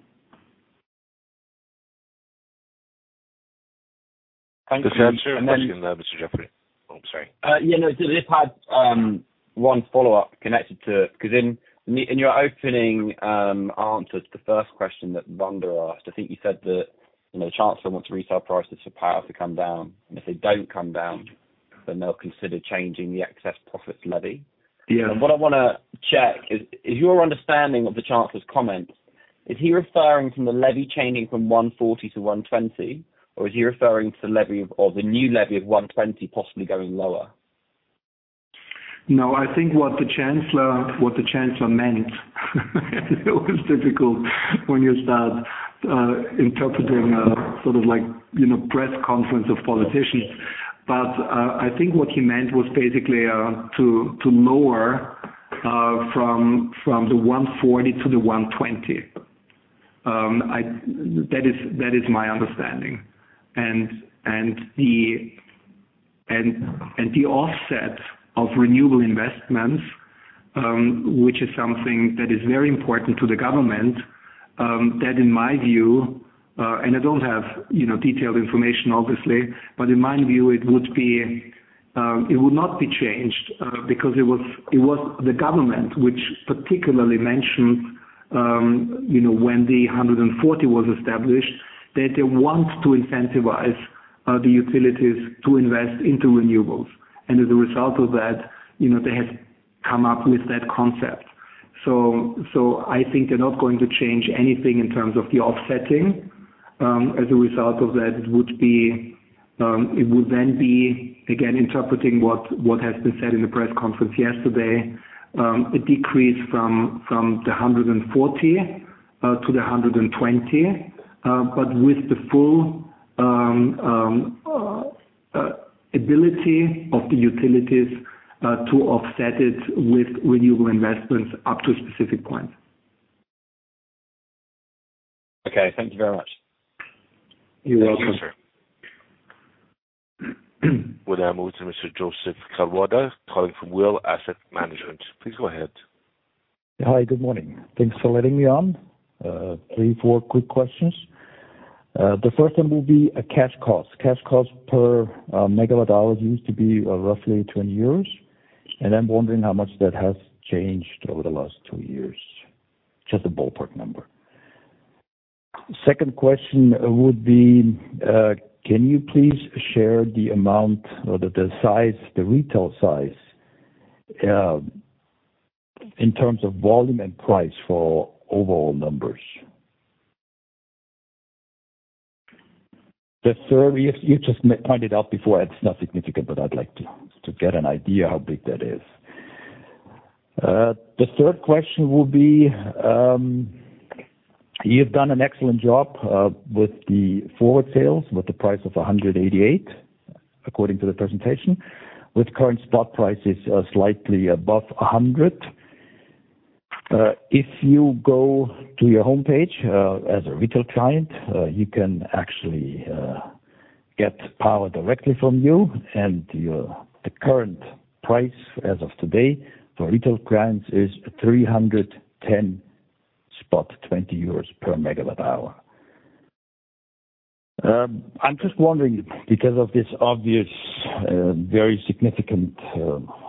Thank you. Just answer the question there, Mr. Jeffery. Oh, sorry. Yeah. No, just had one follow-up connected to... 'Cause in your opening answer to the first question that Vanda asked, I think you said that the chancellor wants retail prices for power to come down, and if they don't come down, then they'll consider changing the excess profits levy. Yeah. What I want to check is your understanding of the chancellor's comments. Is he referring from the levy changing from 140 to 120, or is he referring to the new levy of 120 possibly going lower? I think what the chancellor meant. It's always difficult when you start interpreting a sort of like, you know, press conference of politicians. I think what he meant was basically to lower from the 140 to the 120. That is my understanding. The offset of renewable investments, which is something that is very important to the government, that in my view, and I don't have, you know, detailed information obviously, but in my view it would be, it would not be changed, because it was the government which particularly mentioned, you know, when the 140 was established, that they want to incentivize the utilities to invest into renewables. As a result of that, you know, they have come up with that concept. I think they're not going to change anything in terms of the offsetting. As a result of that, it would be, it would then be, again interpreting what has been said in the press conference yesterday, a decrease from the 140 to the 120. But with the full ability of the utilities to offset it with renewable investments up to a specific point. Okay. Thank you very much. You're welcome. Thank you, sir. We now move to Mr. Joseph Kalwada calling from Will Asset Management. Please go ahead. Hi, good morning. Thanks for letting me on. three, four quick questions. The first one will be a cash cost. Cash cost per MWh used to be roughly 20, and I'm wondering how much that has changed over the last two years. Just a ballpark number. Second question would be, can you please share the amount or the size, the retail size, in terms of volume and price for overall numbers? The third, you just pointed out before, it's not significant, but I'd like to get an idea how big that is. The third question will be, you've done an excellent job with the forward sales with the price of 188, according to the presentation, with current stock prices slightly above 100. If you go to your homepage, as a retail client, you can actually get power directly from you, the current price as of today for retail clients is 310.20 euros per MWh. I'm just wondering, because of this obvious, very significant,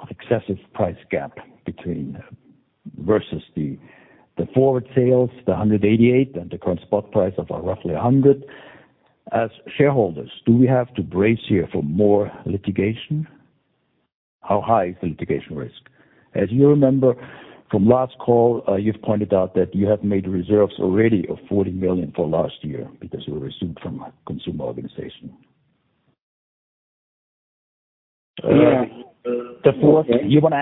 excessive price gap between the forward sales, 188, and the current spot price of roughly 100. As shareholders, do we have to brace here for more litigation? How high is the litigation risk? As you remember from last call, you've pointed out that you have made reserves already of 40 million for last year because you were sued from a consumer organization. Yeah. You wanna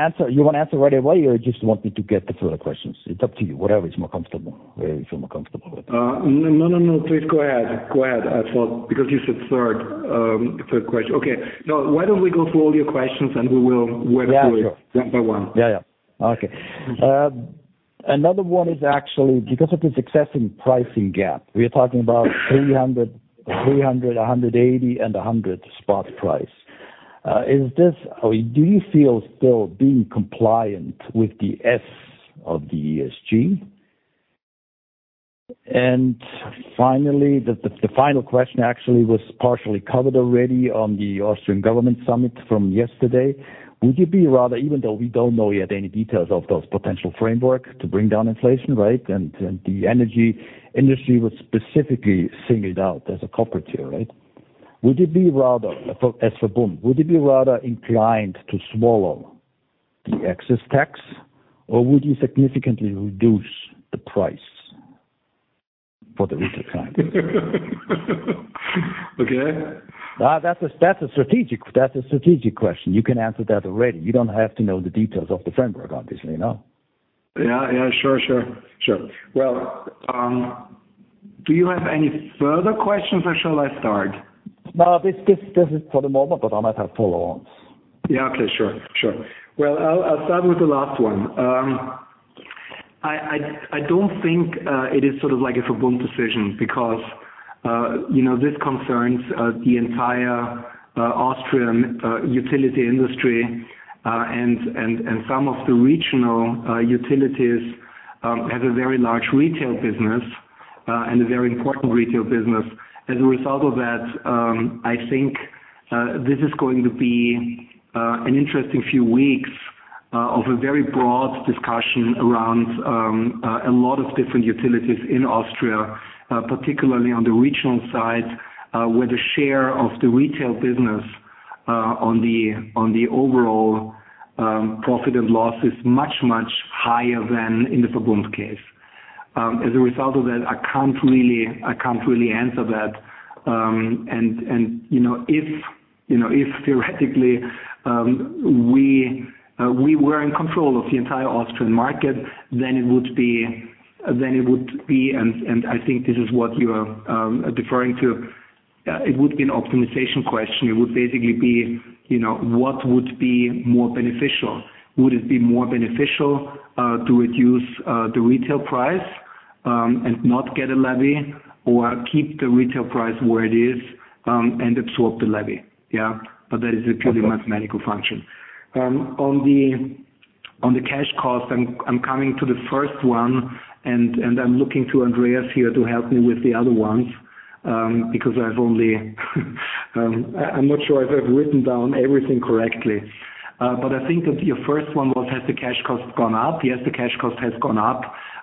answer right away, or you just want me to get the further questions? It's up to you. Whatever is more comfortable, whatever you feel more comfortable with. No, no, please go ahead. I thought because you said third question. Okay. No, why don't we go through all your questions. Yeah, sure. work through it one by one. Yeah. Yeah. Okay. another one is actually because of this excessive pricing gap, we are talking about 300, 180 and 100 spot price. Is this? Do you feel still being compliant with the S of the ESG? Finally, the final question actually was partially covered already on the Austrian government summit from yesterday. Would you be rather, even though we don't know yet any details of those potential framework to bring down inflation, right, and the energy industry was specifically singled out as a culprit here, right? Would you be rather, for, as VERBUND, would you be rather inclined to swallow the excess tax or would you significantly reduce the price for the retail client? Okay. That's a strategic question. You can answer that already. You don't have to know the details of the framework, obviously, no? Yeah. Sure. Well, do you have any further questions or shall I start? No, this is for the moment, but I might have follow-ons. Yeah. Okay. Sure, sure. Well, I'll start with the last one. I don't think it is sort of like a VERBUND decision because, you know, this concerns the entire Austrian utility industry. Some of the regional utilities have a very large retail business and a very important retail business. As a result of that, I think this is going to be an interesting few weeks of a very broad discussion around a lot of different utilities in Austria, particularly on the regional side, where the share of the retail business on the overall profit and loss is much higher than in the VERBUND case. As a result of that, I can't really answer that. You know, if theoretically, we were in control of the entire Austrian market, it would be. I think this is what you are deferring to, it would be an optimization question. It would basically be, you know, what would be more beneficial? Would it be more beneficial to reduce the retail price? Not get a levy or keep the retail price where it is and absorb the levy. Yeah. That is a purely mathematical function. On the cash cost, I'm coming to the first one and I'm looking to Andreas here to help me with the other ones, because I'm not sure if I've written down everything correctly. I think that your first one was, has the cash cost gone up? Yes, the cash cost has gone up,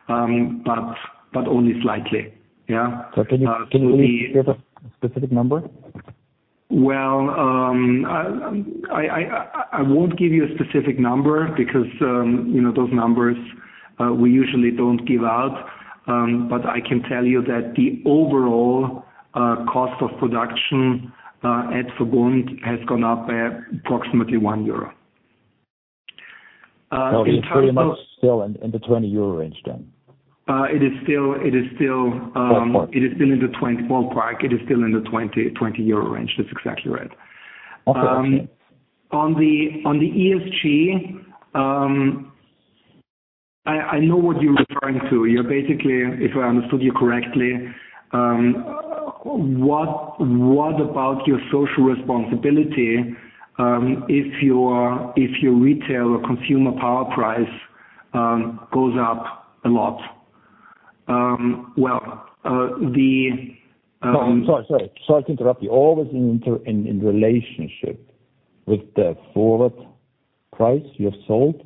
but only slightly. Can you give a specific number? Well, I won't give you a specific number because, you know, those numbers, we usually don't give out. I can tell you that the overall cost of production at VERBUND has gone up by approximately 1 euro. In terms of- It's pretty much still in the 20 euro range then. It is still. About that. It is still in the well, like, it is still in the 20 range. That's exactly right. Okay. On the ESG, I know what you're referring to. You're basically, if I understood you correctly, what about your social responsibility, if your retail or consumer power price, goes up a lot? Well. Sorry to interrupt you. Always in relationship with the forward price you have sold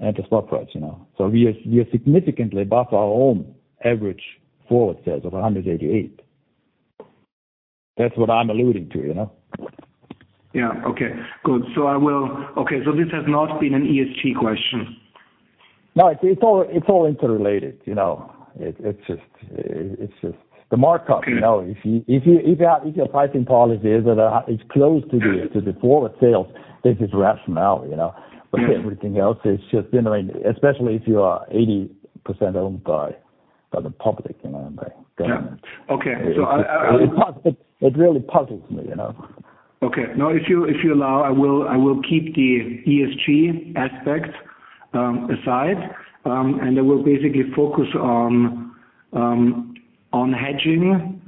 and the spot price, you know. We are significantly above our own average forward sales of 188. That's what I'm alluding to, you know? Yeah. Okay, good. Okay, this has not been an ESG question. No, it's all interrelated, you know. It's just the markup, you know. If you, if your pricing policy is close to the forward sales, there's this rationality, you know? Mm-hmm. Everything else is just, you know, especially if you are 80% owned by the public, you know, and by government. Yeah. Okay. I, I- It really puzzles me, you know. Okay. If you allow, I will keep the ESG aspect aside. I will basically focus on hedging.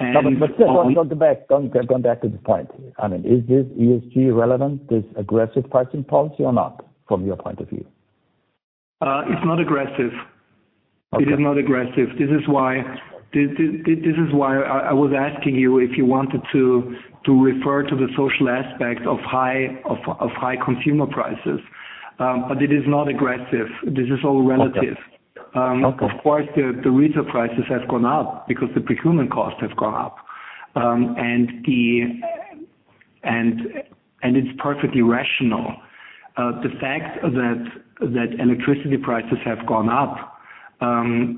Just on the back. Go back to the point. I mean, is this ESG relevant, this aggressive pricing policy or not, from your point of view? It's not aggressive. Okay. It is not aggressive. This is why, this is why I was asking you if you wanted to refer to the social aspect of high consumer prices. It is not aggressive. This is all relative. Okay. Of course, the retail prices has gone up because the procurement costs have gone up. It's perfectly rational. The fact that electricity prices have gone up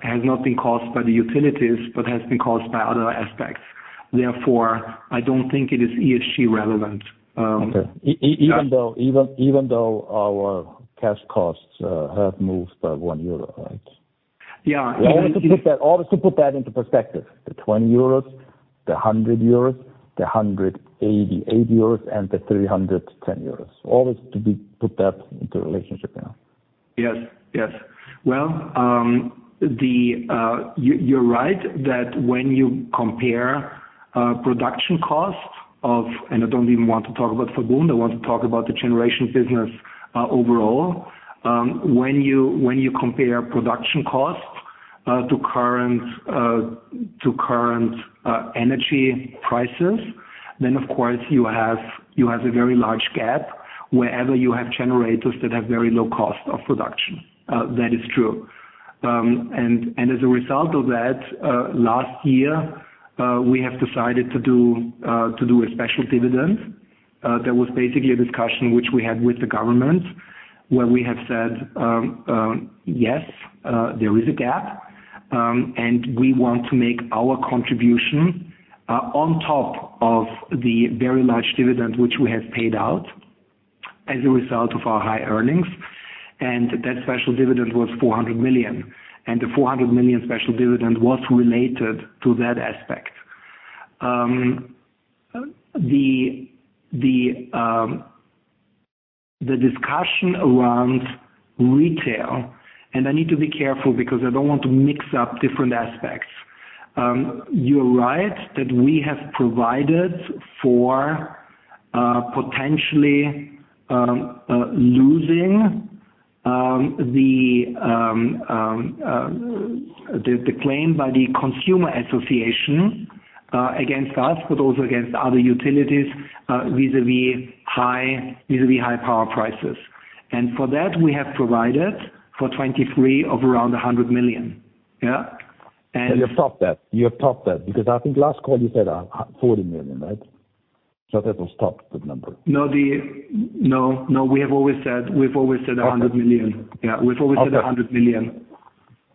has not been caused by the utilities, but has been caused by other aspects. Therefore, I don't think it is ESG relevant. Okay. Even though, even though our cash costs have moved by 1 euro, right? Yeah. if you Always to put that into perspective, the 20 euros, the 100 euros, the 188 euros, and the EUR 310. Always to put that into relationship now. Yes. Yes. Well, you're right that when you compare production costs of... I don't even want to talk about VERBUND. I want to talk about the generation business overall. When you compare production costs to current to current energy prices, then of course you have a very large gap wherever you have generators that have very low cost of production. That is true. As a result of that, last year, we have decided to do a special dividend. That was basically a discussion which we had with the government, where we have said, yes, there is a gap, and we want to make our contribution on top of the very large dividend which we have paid out as a result of our high earnings. That special dividend was 400 million. The 400 million special dividend was related to that aspect. The, the discussion around retail, and I need to be careful because I don't want to mix up different aspects. You're right that we have provided for potentially losing the claim by the consumer association against us, but also against other utilities vis-a-vis high power prices. For that, we have provided for 23 of around 100 million. Yeah. And- You have topped that. You have topped that. I think last call you said, 40 million, right? That has topped that number. No, we've always said 100 million. Okay. Yeah. We've always said 100 million.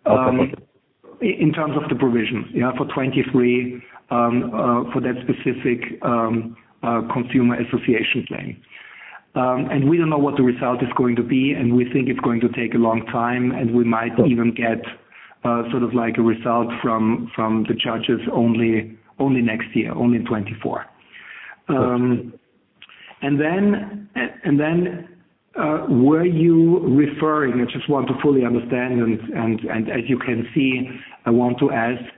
Okay. In terms of the provision, yeah, for 2023, for that specific consumer association claim. We don't know what the result is going to be, and we think it's going to take a long time, and we might even get sort of like a result from the judges only next year, only in 2024. Then, were you referring, I just want to fully understand and as you can see, I want to ask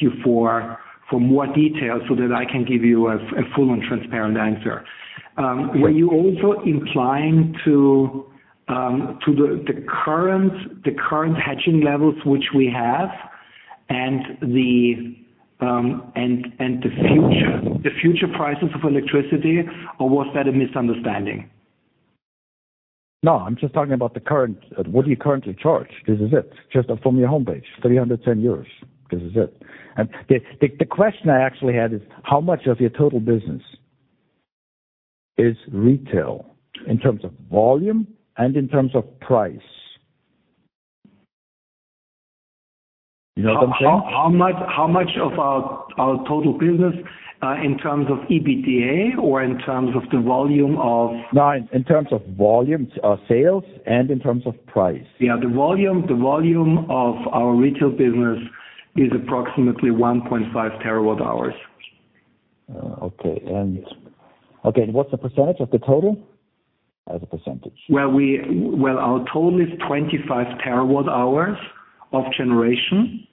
you for more details so that I can give you a full and transparent answer. Were you also implying to the current hedging levels which we have and the future prices of electricity, or was that a misunderstanding? No, I'm just talking about what do you currently charge? This is it. Just from your home page, 310 euros. This is it. The question I actually had is how much of your total business is retail in terms of volume and in terms of price? You know what I'm saying? How much of our total business, in terms of EBITDA or in terms of the volume of- No, in terms of volume, sales and in terms of price. Yeah. The volume of our retail business is approximately 1.5 TWh. Okay. Okay, what's the percentage of the total as a percentage? Well, our total is 25 TWh of generation.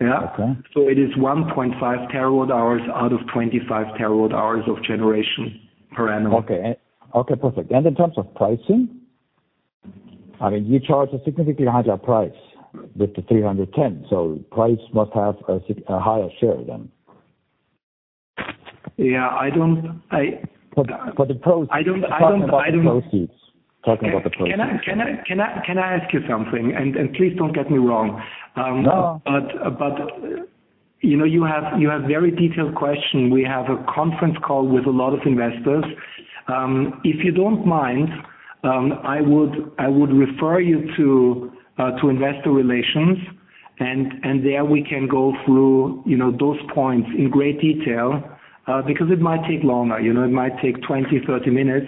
Yeah. Okay. It is 1.5 TWh out of 25 TWh of generation per annum. Okay, perfect. In terms of pricing? I mean, you charge a significantly higher price with the 310, price must have a higher share then. Yeah, I don't. But the pro- I don't, I don't, I don't- Talking about the proceeds. Can I ask you something? Please don't get me wrong. No. You know, you have very detailed question. We have a conference call with a lot of investors. If you don't mind, I would refer you to investor relations, and there we can go through, you know, those points in great detail, because it might take longer. You know, it might take 20 minutes, 30 minutes,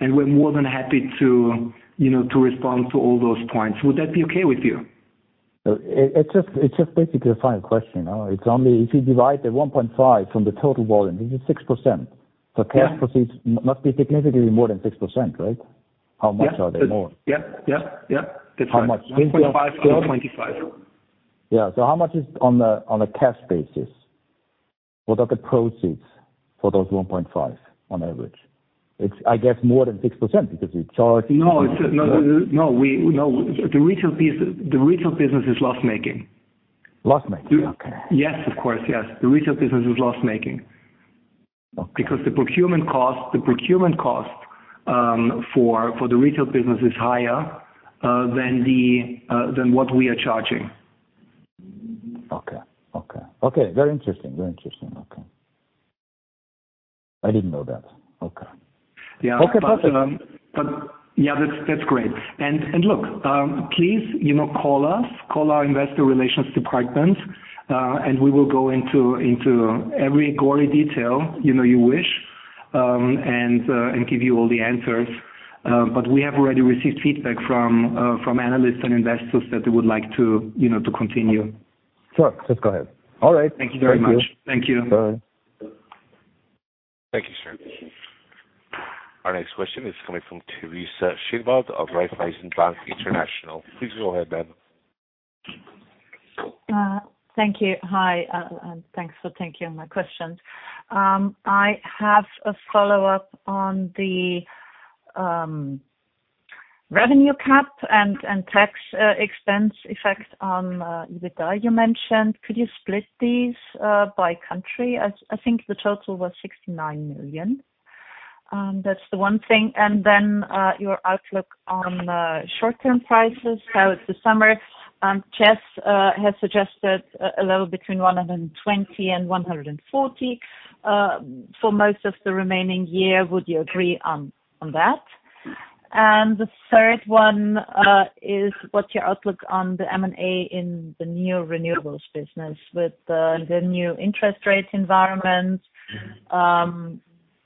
we're more than happy to, you know, to respond to all those points. Would that be okay with you? It's just basically a final question. You know, it's only. If you divide the 1.5 from the total volume, this is 6%. Yeah. The cash proceeds must be significantly more than 6%, right? How much are they more? Yeah. Yeah. Yeah. That's right. How much? 1.5 out of 25. Yeah. How much is on a, on a cash basis? What are the proceeds for those 1.5 on average? It's, I guess, more than 6% because you charge- No. It's, no. We, no. The retail business is loss-making. Loss-making. Okay. Yes, of course. Yes. The retail business is loss-making. Okay. The procurement cost for the retail business is higher than what we are charging. Okay. Okay. Okay. Very interesting. Very interesting. Okay. I didn't know that. Okay. Yeah. Okay. Perfect. Yeah. That's great. Look, please, you know, call us, call our investor relations department, and we will go into every gory detail, you know, you wish, and give you all the answers. We have already received feedback from analysts and investors that they would like to, you know, to continue. Sure. Just go ahead. All right. Thank you very much. Thank you. Thank you. Bye. Thank you, sir. Our next question is coming from Teresa Schinwald of Raiffeisen Bank International. Please go ahead, ma'am. Thank you. Hi, thanks for taking my questions. I have a follow-up on the revenue cap and tax expense effect on EBITDA you mentioned. Could you split these by country? I think the total was 69 million. That's the one thing. Your outlook on short-term prices. How is the summer? Chess has suggested a level between 120 and 140 for most of the remaining year. Would you agree on that? The third one is what's your outlook on the M&A in the new renewables business with the new interest rate environment?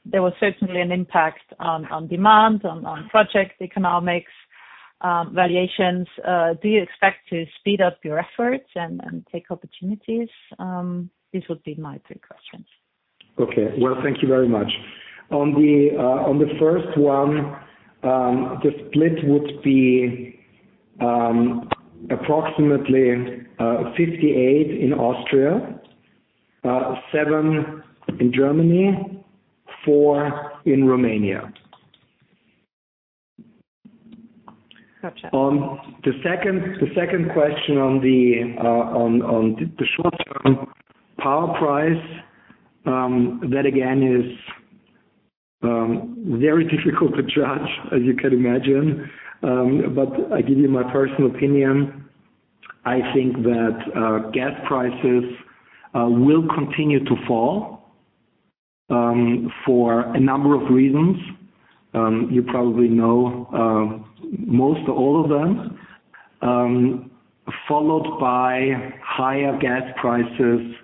There was certainly an impact on demand, on project economics, valuations. Do you expect to speed up your efforts and take opportunities? These would be my three questions. Well, thank you very much. On the first one, the split would be approximately 58 in Austria, seven in Germany, 4 in Romania. Gotcha. On the second question on the short-term power price, that again is very difficult to judge, as you can imagine. I give you my personal opinion. I think that gas prices will continue to fall for a number of reasons. You probably know most or all of them, followed by higher gas prices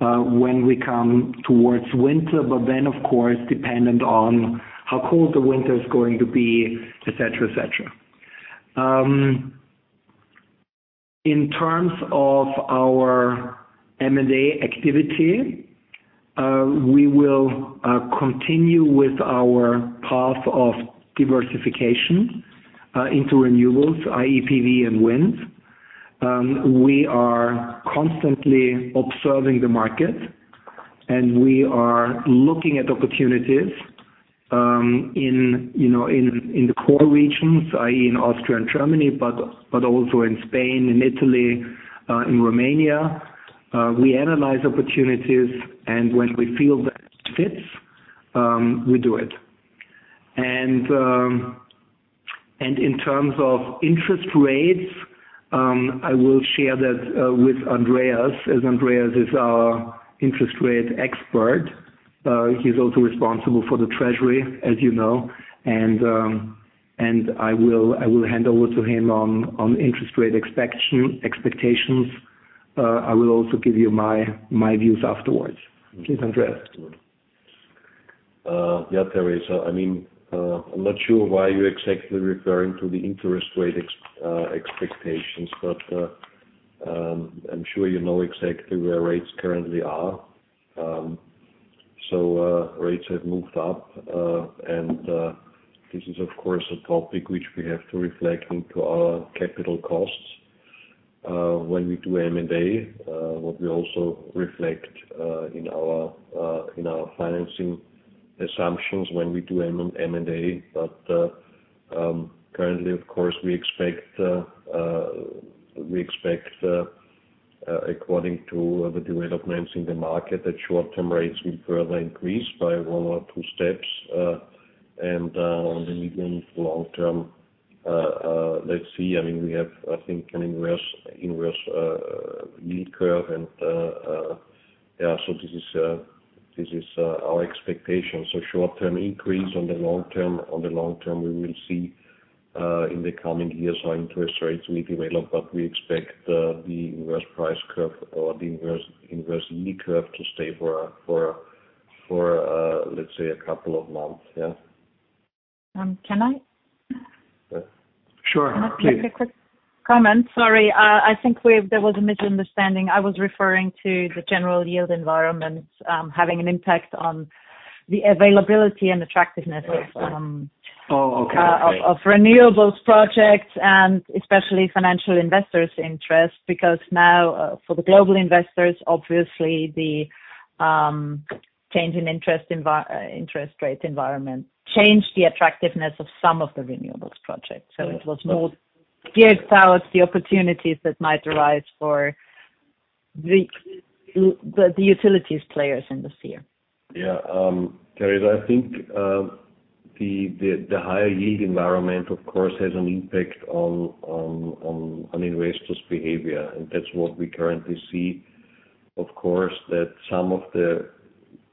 when we come towards winter, of course dependent on how cold the winter is going to be, et cetera, et cetera. In terms of our M&A activity, we will continue with our path of diversification into renewables, i.e., PV and wind. We are constantly observing the market, and we are looking at opportunities, in, you know, in the core regions, i.e., in Austria and Germany, but also in Spain, in Italy, in Romania. We analyze opportunities, and when we feel that it fits, we do it. In terms of interest rates, I will share that with Andreas, as Andreas is our interest rate expert. He's also responsible for the treasury, as you know, and I will hand over to him on interest rate expectations. I will also give you my views afterwards. Please, Andreas. Yeah, Teresa. I mean, I'm not sure why you're exactly referring to the interest rate expectations, but I'm sure you know exactly where rates currently are. Rates have moved up, and this is of course a topic which we have to reflect into our capital costs when we do M&A. What we also reflect in our financing assumptions when we do M&A. Currently of course, we expect, according to the developments in the market, that short-term rates will further increase by one or two steps. When we go into long term, let's see. I mean, we have, I think, an inverse yield curve and, yeah. This is our expectations. Short term increase on the long term. On the long term, we will see in the coming years how interest rates will develop, but we expect the inverse price curve or the inverse yield curve to stay for a, let's say, a couple of months. Yeah. Can I? Sure, please. Can I make a quick comment? Sorry. I think There was a misunderstanding. I was referring to the general yield environment, having an impact on the availability and attractiveness of. Oh, okay. of renewables projects and especially financial investors interest. Now, for the global investors, obviously the change in interest rate environment changed the attractiveness of some of the renewables projects. It was more geared towards the opportunities that might arise for the utilities players in the sphere. Yeah. Teresa, I think, the higher yield environment of course has an impact on investors' behavior, and that's what we currently see, of course, that some of the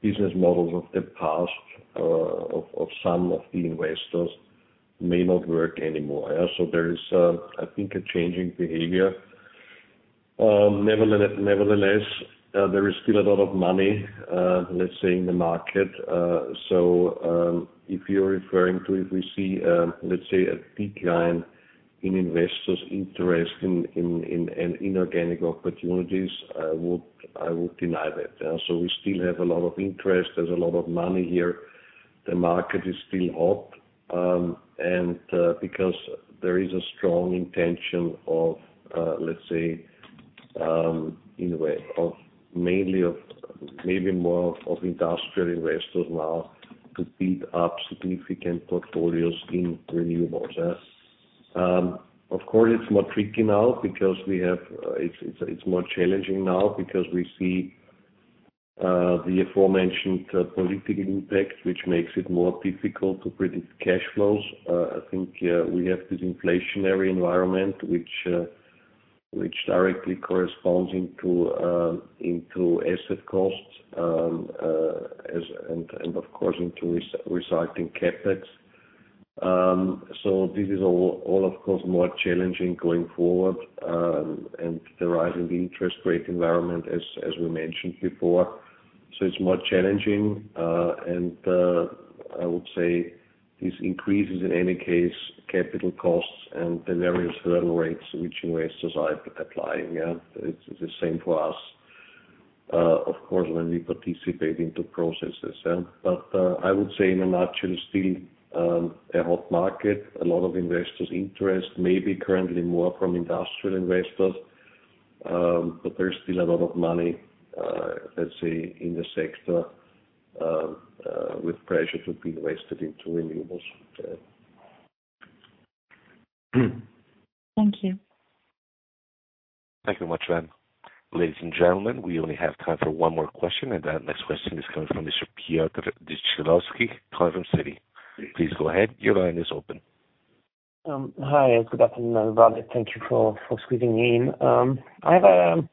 business models of the past, of some of the investors may not work anymore. There is, I think, a change in behavior. Nevertheless, there is still a lot of money, let's say, in the market. If you're referring to if we see, let's say, a decline in investors' interest in inorganic opportunities, I would deny that. We still have a lot of interest. There's a lot of money here. The market is still hot, because there is a strong intention of let's say, in a way of mainly of maybe more of industrial investors now to build up significant portfolios in renewables. Of course, it's more tricky now because it's more challenging now because we see the aforementioned political impact, which makes it more difficult to predict cash flows. I think, we have this inflationary environment which directly corresponds into asset costs as and of course, into resulting CapEx. This is all, of course, more challenging going forward, and the rise in the interest rate environment as we mentioned before. It's more challenging. I would say this increases in any case, capital costs and the various hurdle rates which investors are applying. Yeah. It's, it's the same for us, of course, when we participate into processes. Yeah. I would say in a nutshell, still, a hot market. A lot of investors' interest may be currently more from industrial investors, but there's still a lot of money, let's say, in the sector, with pressure to be invested into renewables. Yeah. Thank you. Thank you much, ma'am. Ladies and gentlemen, we only have time for one more question, and that next question is coming from Mr. Piotr Dzieciolowski, Morgan Stanley. Please go ahead. Your line is open. Hi. Good afternoon, everybody. Thank you for squeezing me in. I have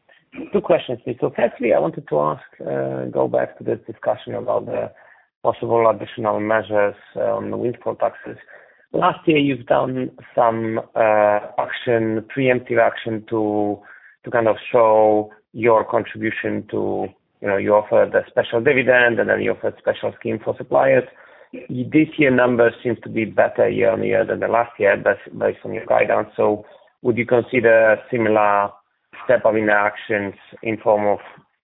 two questions, please. Firstly, I wanted to ask, go back to this discussion about the possible additional measures on the windfall taxes. Last year you've done some action, preemptive action to kind of show your contribution to, you know, you offer the special dividend, and then you offer special scheme for suppliers. This year numbers seems to be better year-on-year than last year based on your guidance. Would you consider similar step of interactions in form of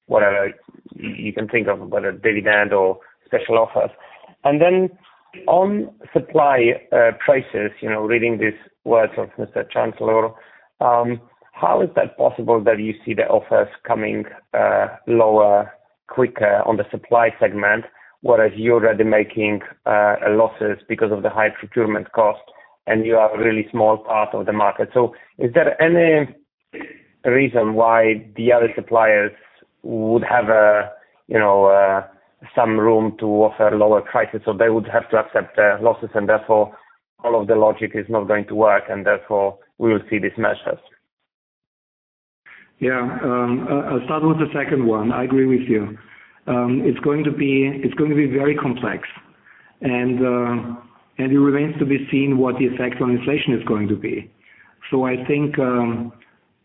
whatever you can think of, whether dividend or special offers? Then on supply prices, you know, reading these words of Mr. Chancellor, how is that possible that you see the offers coming lower quicker on the supply segment, whereas you're already making losses because of the high procurement cost and you are a really small part of the market? Is there any reason why the other suppliers would have a, you know, some room to offer lower prices or they would have to accept the losses and therefore all of the logic is not going to work and therefore we will see these measures? Yeah. I'll start with the second one. I agree with you. It's going to be, it's going to be very complex. It remains to be seen what the effect on inflation is going to be. I think,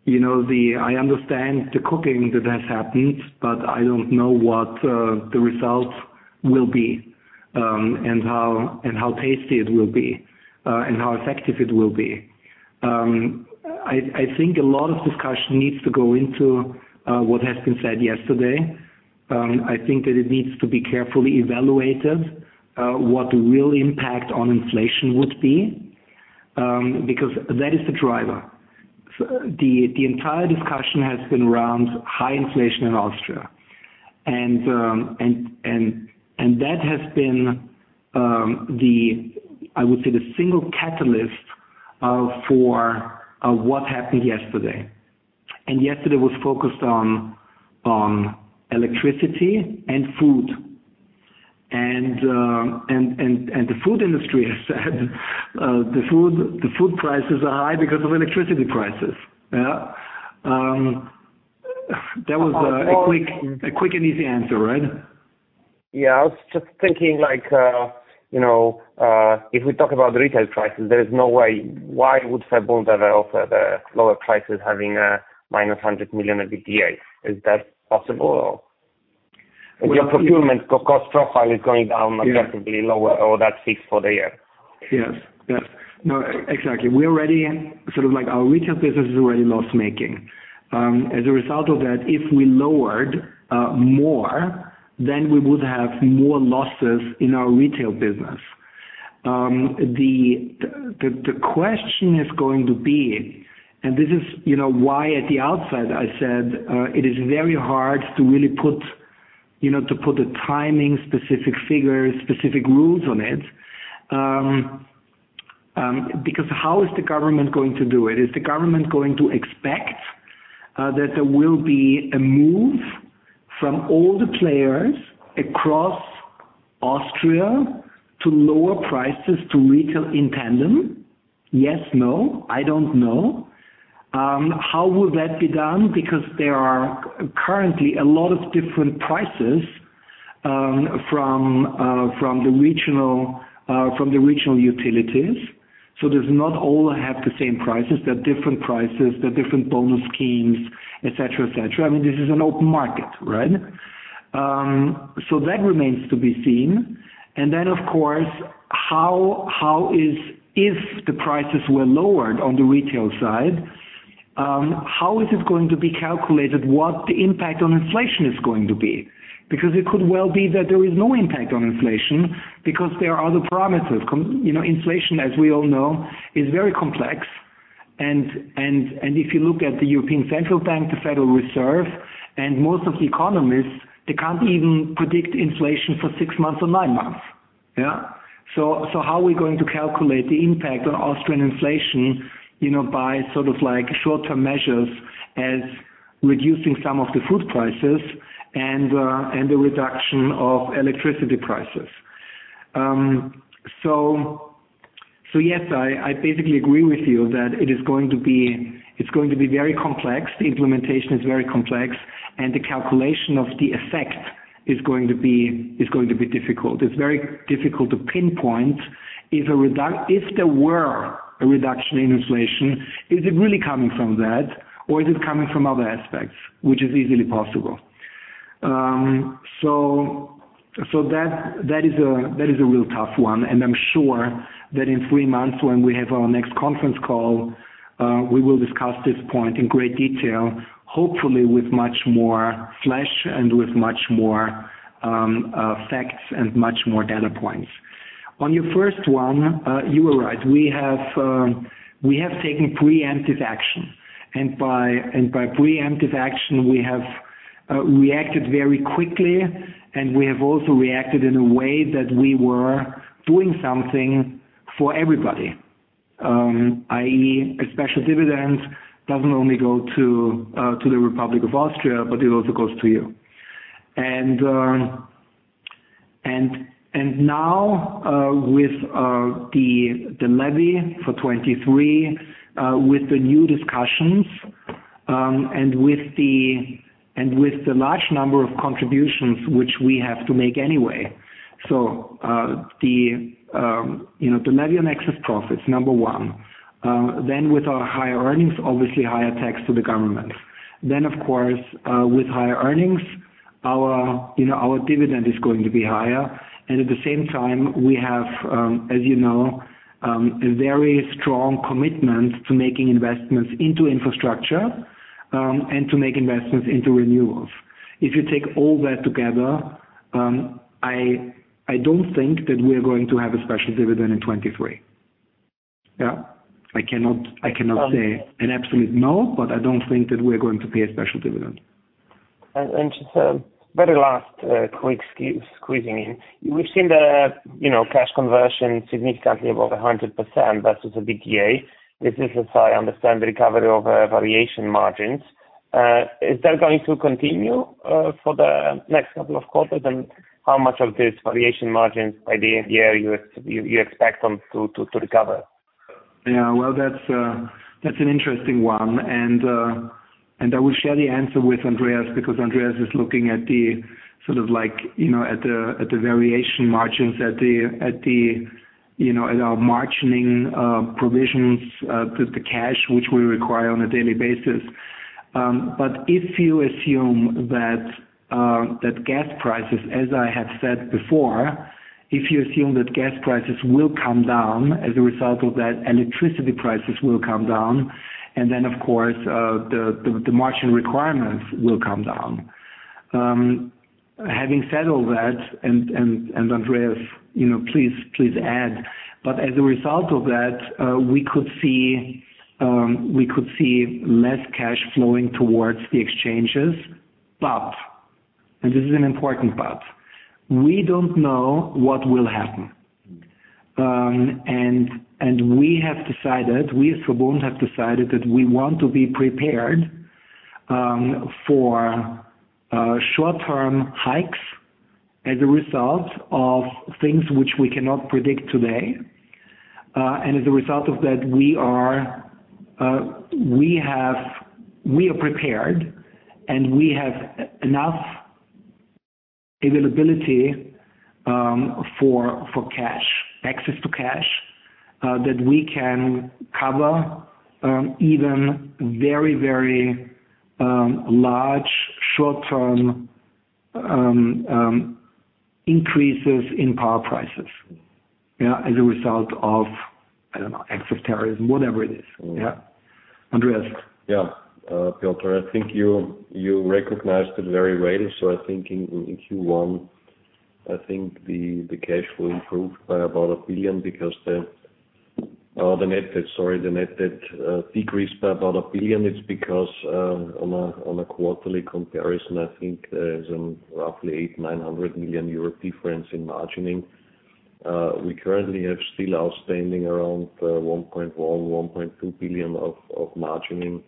you know, I understand the cooking that has happened, but I don't know what the results will be, and how tasty it will be, and how effective it will be. I think a lot of discussion needs to go into what has been said yesterday. I think that it needs to be carefully evaluated what the real impact on inflation would be, because that is the driver. The entire discussion has been around high inflation in Austria. That has been the, I would say, the single catalyst for what happened yesterday. Yesterday was focused on electricity and food. The food industry has said the food prices are high because of electricity prices. Yeah. That was a quick and easy answer, right? Yeah. I was just thinking like, you know, if we talk about the retail prices, there is no way. Why would VERBUND ever offer the lower prices having a minus 100 million EBITDA? Is that possible? Your procurement co-cost profile is going down massively lower or that's fixed for the year. Yes. Yes. No, exactly. We're already Sort of like our retail business is already loss-making. As a result of that, if we lowered more, then we would have more losses in our retail business. The question is going to be, and this is, you know, why at the outset I said, it is very hard to really put, you know, to put a timing, specific figures, specific rules on it, because how is the government going to do it? Is the government going to expect that there will be a move from all the players across Austria to lower prices to retail in tandem? Yes. No. I don't know. How will that be done? There are currently a lot of different prices, from the regional, from the regional utilities. There's not all have the same prices. There are different prices. There are different bonus schemes, et cetera, et cetera. I mean, this is an open market, right? That remains to be seen. Of course, how is if the prices were lowered on the retail side, how is it going to be calculated, what the impact on inflation is going to be? Because it could well be that there is no impact on inflation because there are other parameters. You know, inflation, as we all know, is very complex. And if you look at the European Central Bank, the Federal Reserve, and most of the economists, they can't even predict inflation for six months or nine months. Yeah. How are we going to calculate the impact on Austrian inflation, you know, by sort of like short-term measures as reducing some of the food prices and the reduction of electricity prices? Yes, I basically agree with you that it is going to be, it's going to be very complex. The implementation is very complex, and the calculation of the effect is going to be, is going to be difficult. It's very difficult to pinpoint if there were a reduction in inflation, is it really coming from that or is it coming from other aspects, which is easily possible. That is a real tough one, and I'm sure that in three months when we have our next conference call, we will discuss this point in great detail, hopefully with much more flesh and with much more facts and much more data points. On your first one, you are right. We have taken preemptive action. By preemptive action, we have reacted very quickly, and we have also reacted in a way that we were doing something for everybody. i.e. a special dividend doesn't only go to the Republic of Austria, but it also goes to you. Now, with the levy for 23, with the new discussions, and with the large number of contributions which we have to make anyway. You know, the levy on excess profits, number one. Then with our higher earnings, obviously higher tax to the government. Of course, with higher earnings, our, you know, our dividend is going to be higher. At the same time, we have, as you know, a very strong commitment to making investments into infrastructure and to make investments into renewables. If you take all that together, I don't think that we are going to have a special dividend in 23. Yeah. I cannot say an absolute no, but I don't think that we're going to pay a special dividend. Just very last quick squeezing in. We've seen the, you know, cash conversion significantly above 100% versus the BTA. This is, as I understand, the recovery over variation margins. Is that going to continue for the next couple of quarters? How much of this variation margins by the end of the year you expect them to recover? Yeah, well, that's an interesting one. I will share the answer with Andreas, because Andreas is looking at the sort of like, you know, at the variation margins at the, you know, at our margining provisions, the cash which we require on a daily basis. If you assume that gas prices, as I have said before, if you assume that gas prices will come down as a result of that, electricity prices will come down. Of course, the margin requirements will come down. Having said all that, and Andreas, you know, please add. As a result of that, we could see less cash flowing towards the exchanges. And this is an important but, we don't know what will happen. And we have decided, we as a board have decided that we want to be prepared for short-term hikes as a result of things which we cannot predict today. And as a result of that, we are prepared, and we have enough availability for for cash, access to cash, that we can cover even very, very large short-term increases in power prices. Yeah. As a result of, I don't know, acts of terrorism, whatever it is. Yeah. Andreas. Piotr, I think you recognized it very well. I think in Q1, I think the cash will improve by about 1 billion because the net debt, sorry, the net debt, decreased by about 1 billion. It's because on a quarterly comparison, I think there's roughly 800 million-900 million euro difference in margining. We currently have still outstanding around 1.1 billion-1.2 billion of margining,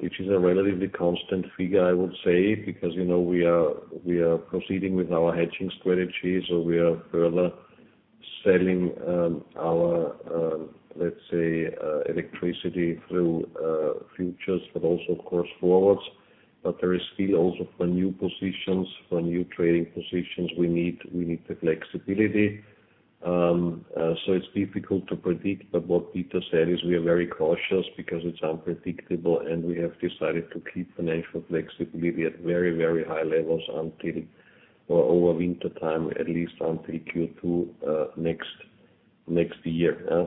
which is a relatively constant figure, I would say. You know, we are proceeding with our hedging strategy, we are further selling our, let's say, electricity through futures, but also of course forwards. There is still also for new positions, for new trading positions, we need the flexibility. It's difficult to predict. What Piotr said is we are very cautious because it's unpredictable, and we have decided to keep financial flexibility at very high levels until or over wintertime, at least until Q2 next year. Yeah.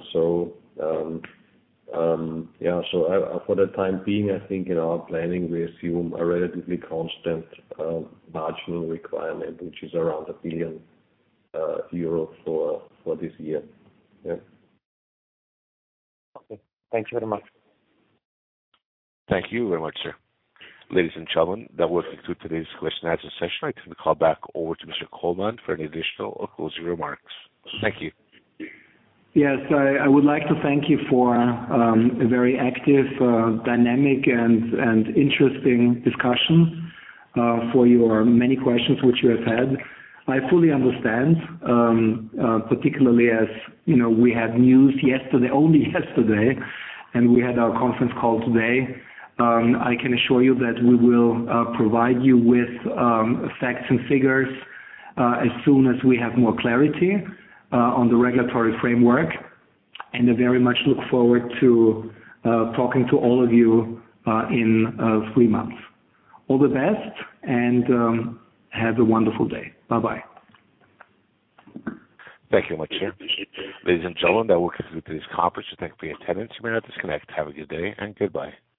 I for the time being, I think in our planning, we assume a relatively constant marginal requirement, which is around 1 billion euro for this year. Yeah. Okay. Thank you very much. Thank you very much, sir. Ladies and gentlemen, that will conclude today's question and answer session. I turn the call back over to Mr. Kollmann for any additional or closing remarks. Thank you. Yes. I would like to thank you for a very active, dynamic and interesting discussion, for your many questions which you have had. I fully understand, particularly as you know, we had news yesterday, only yesterday, and we had our conference call today. I can assure you that we will provide you with facts and figures, as soon as we have more clarity, on the regulatory framework. I very much look forward to talking to all of you in three months. All the best and have a wonderful day. Bye-bye. Thank you much, sir. Ladies and gentlemen, that will conclude this conference. I thank you for your attendance. You may now disconnect. Have a good day and goodbye.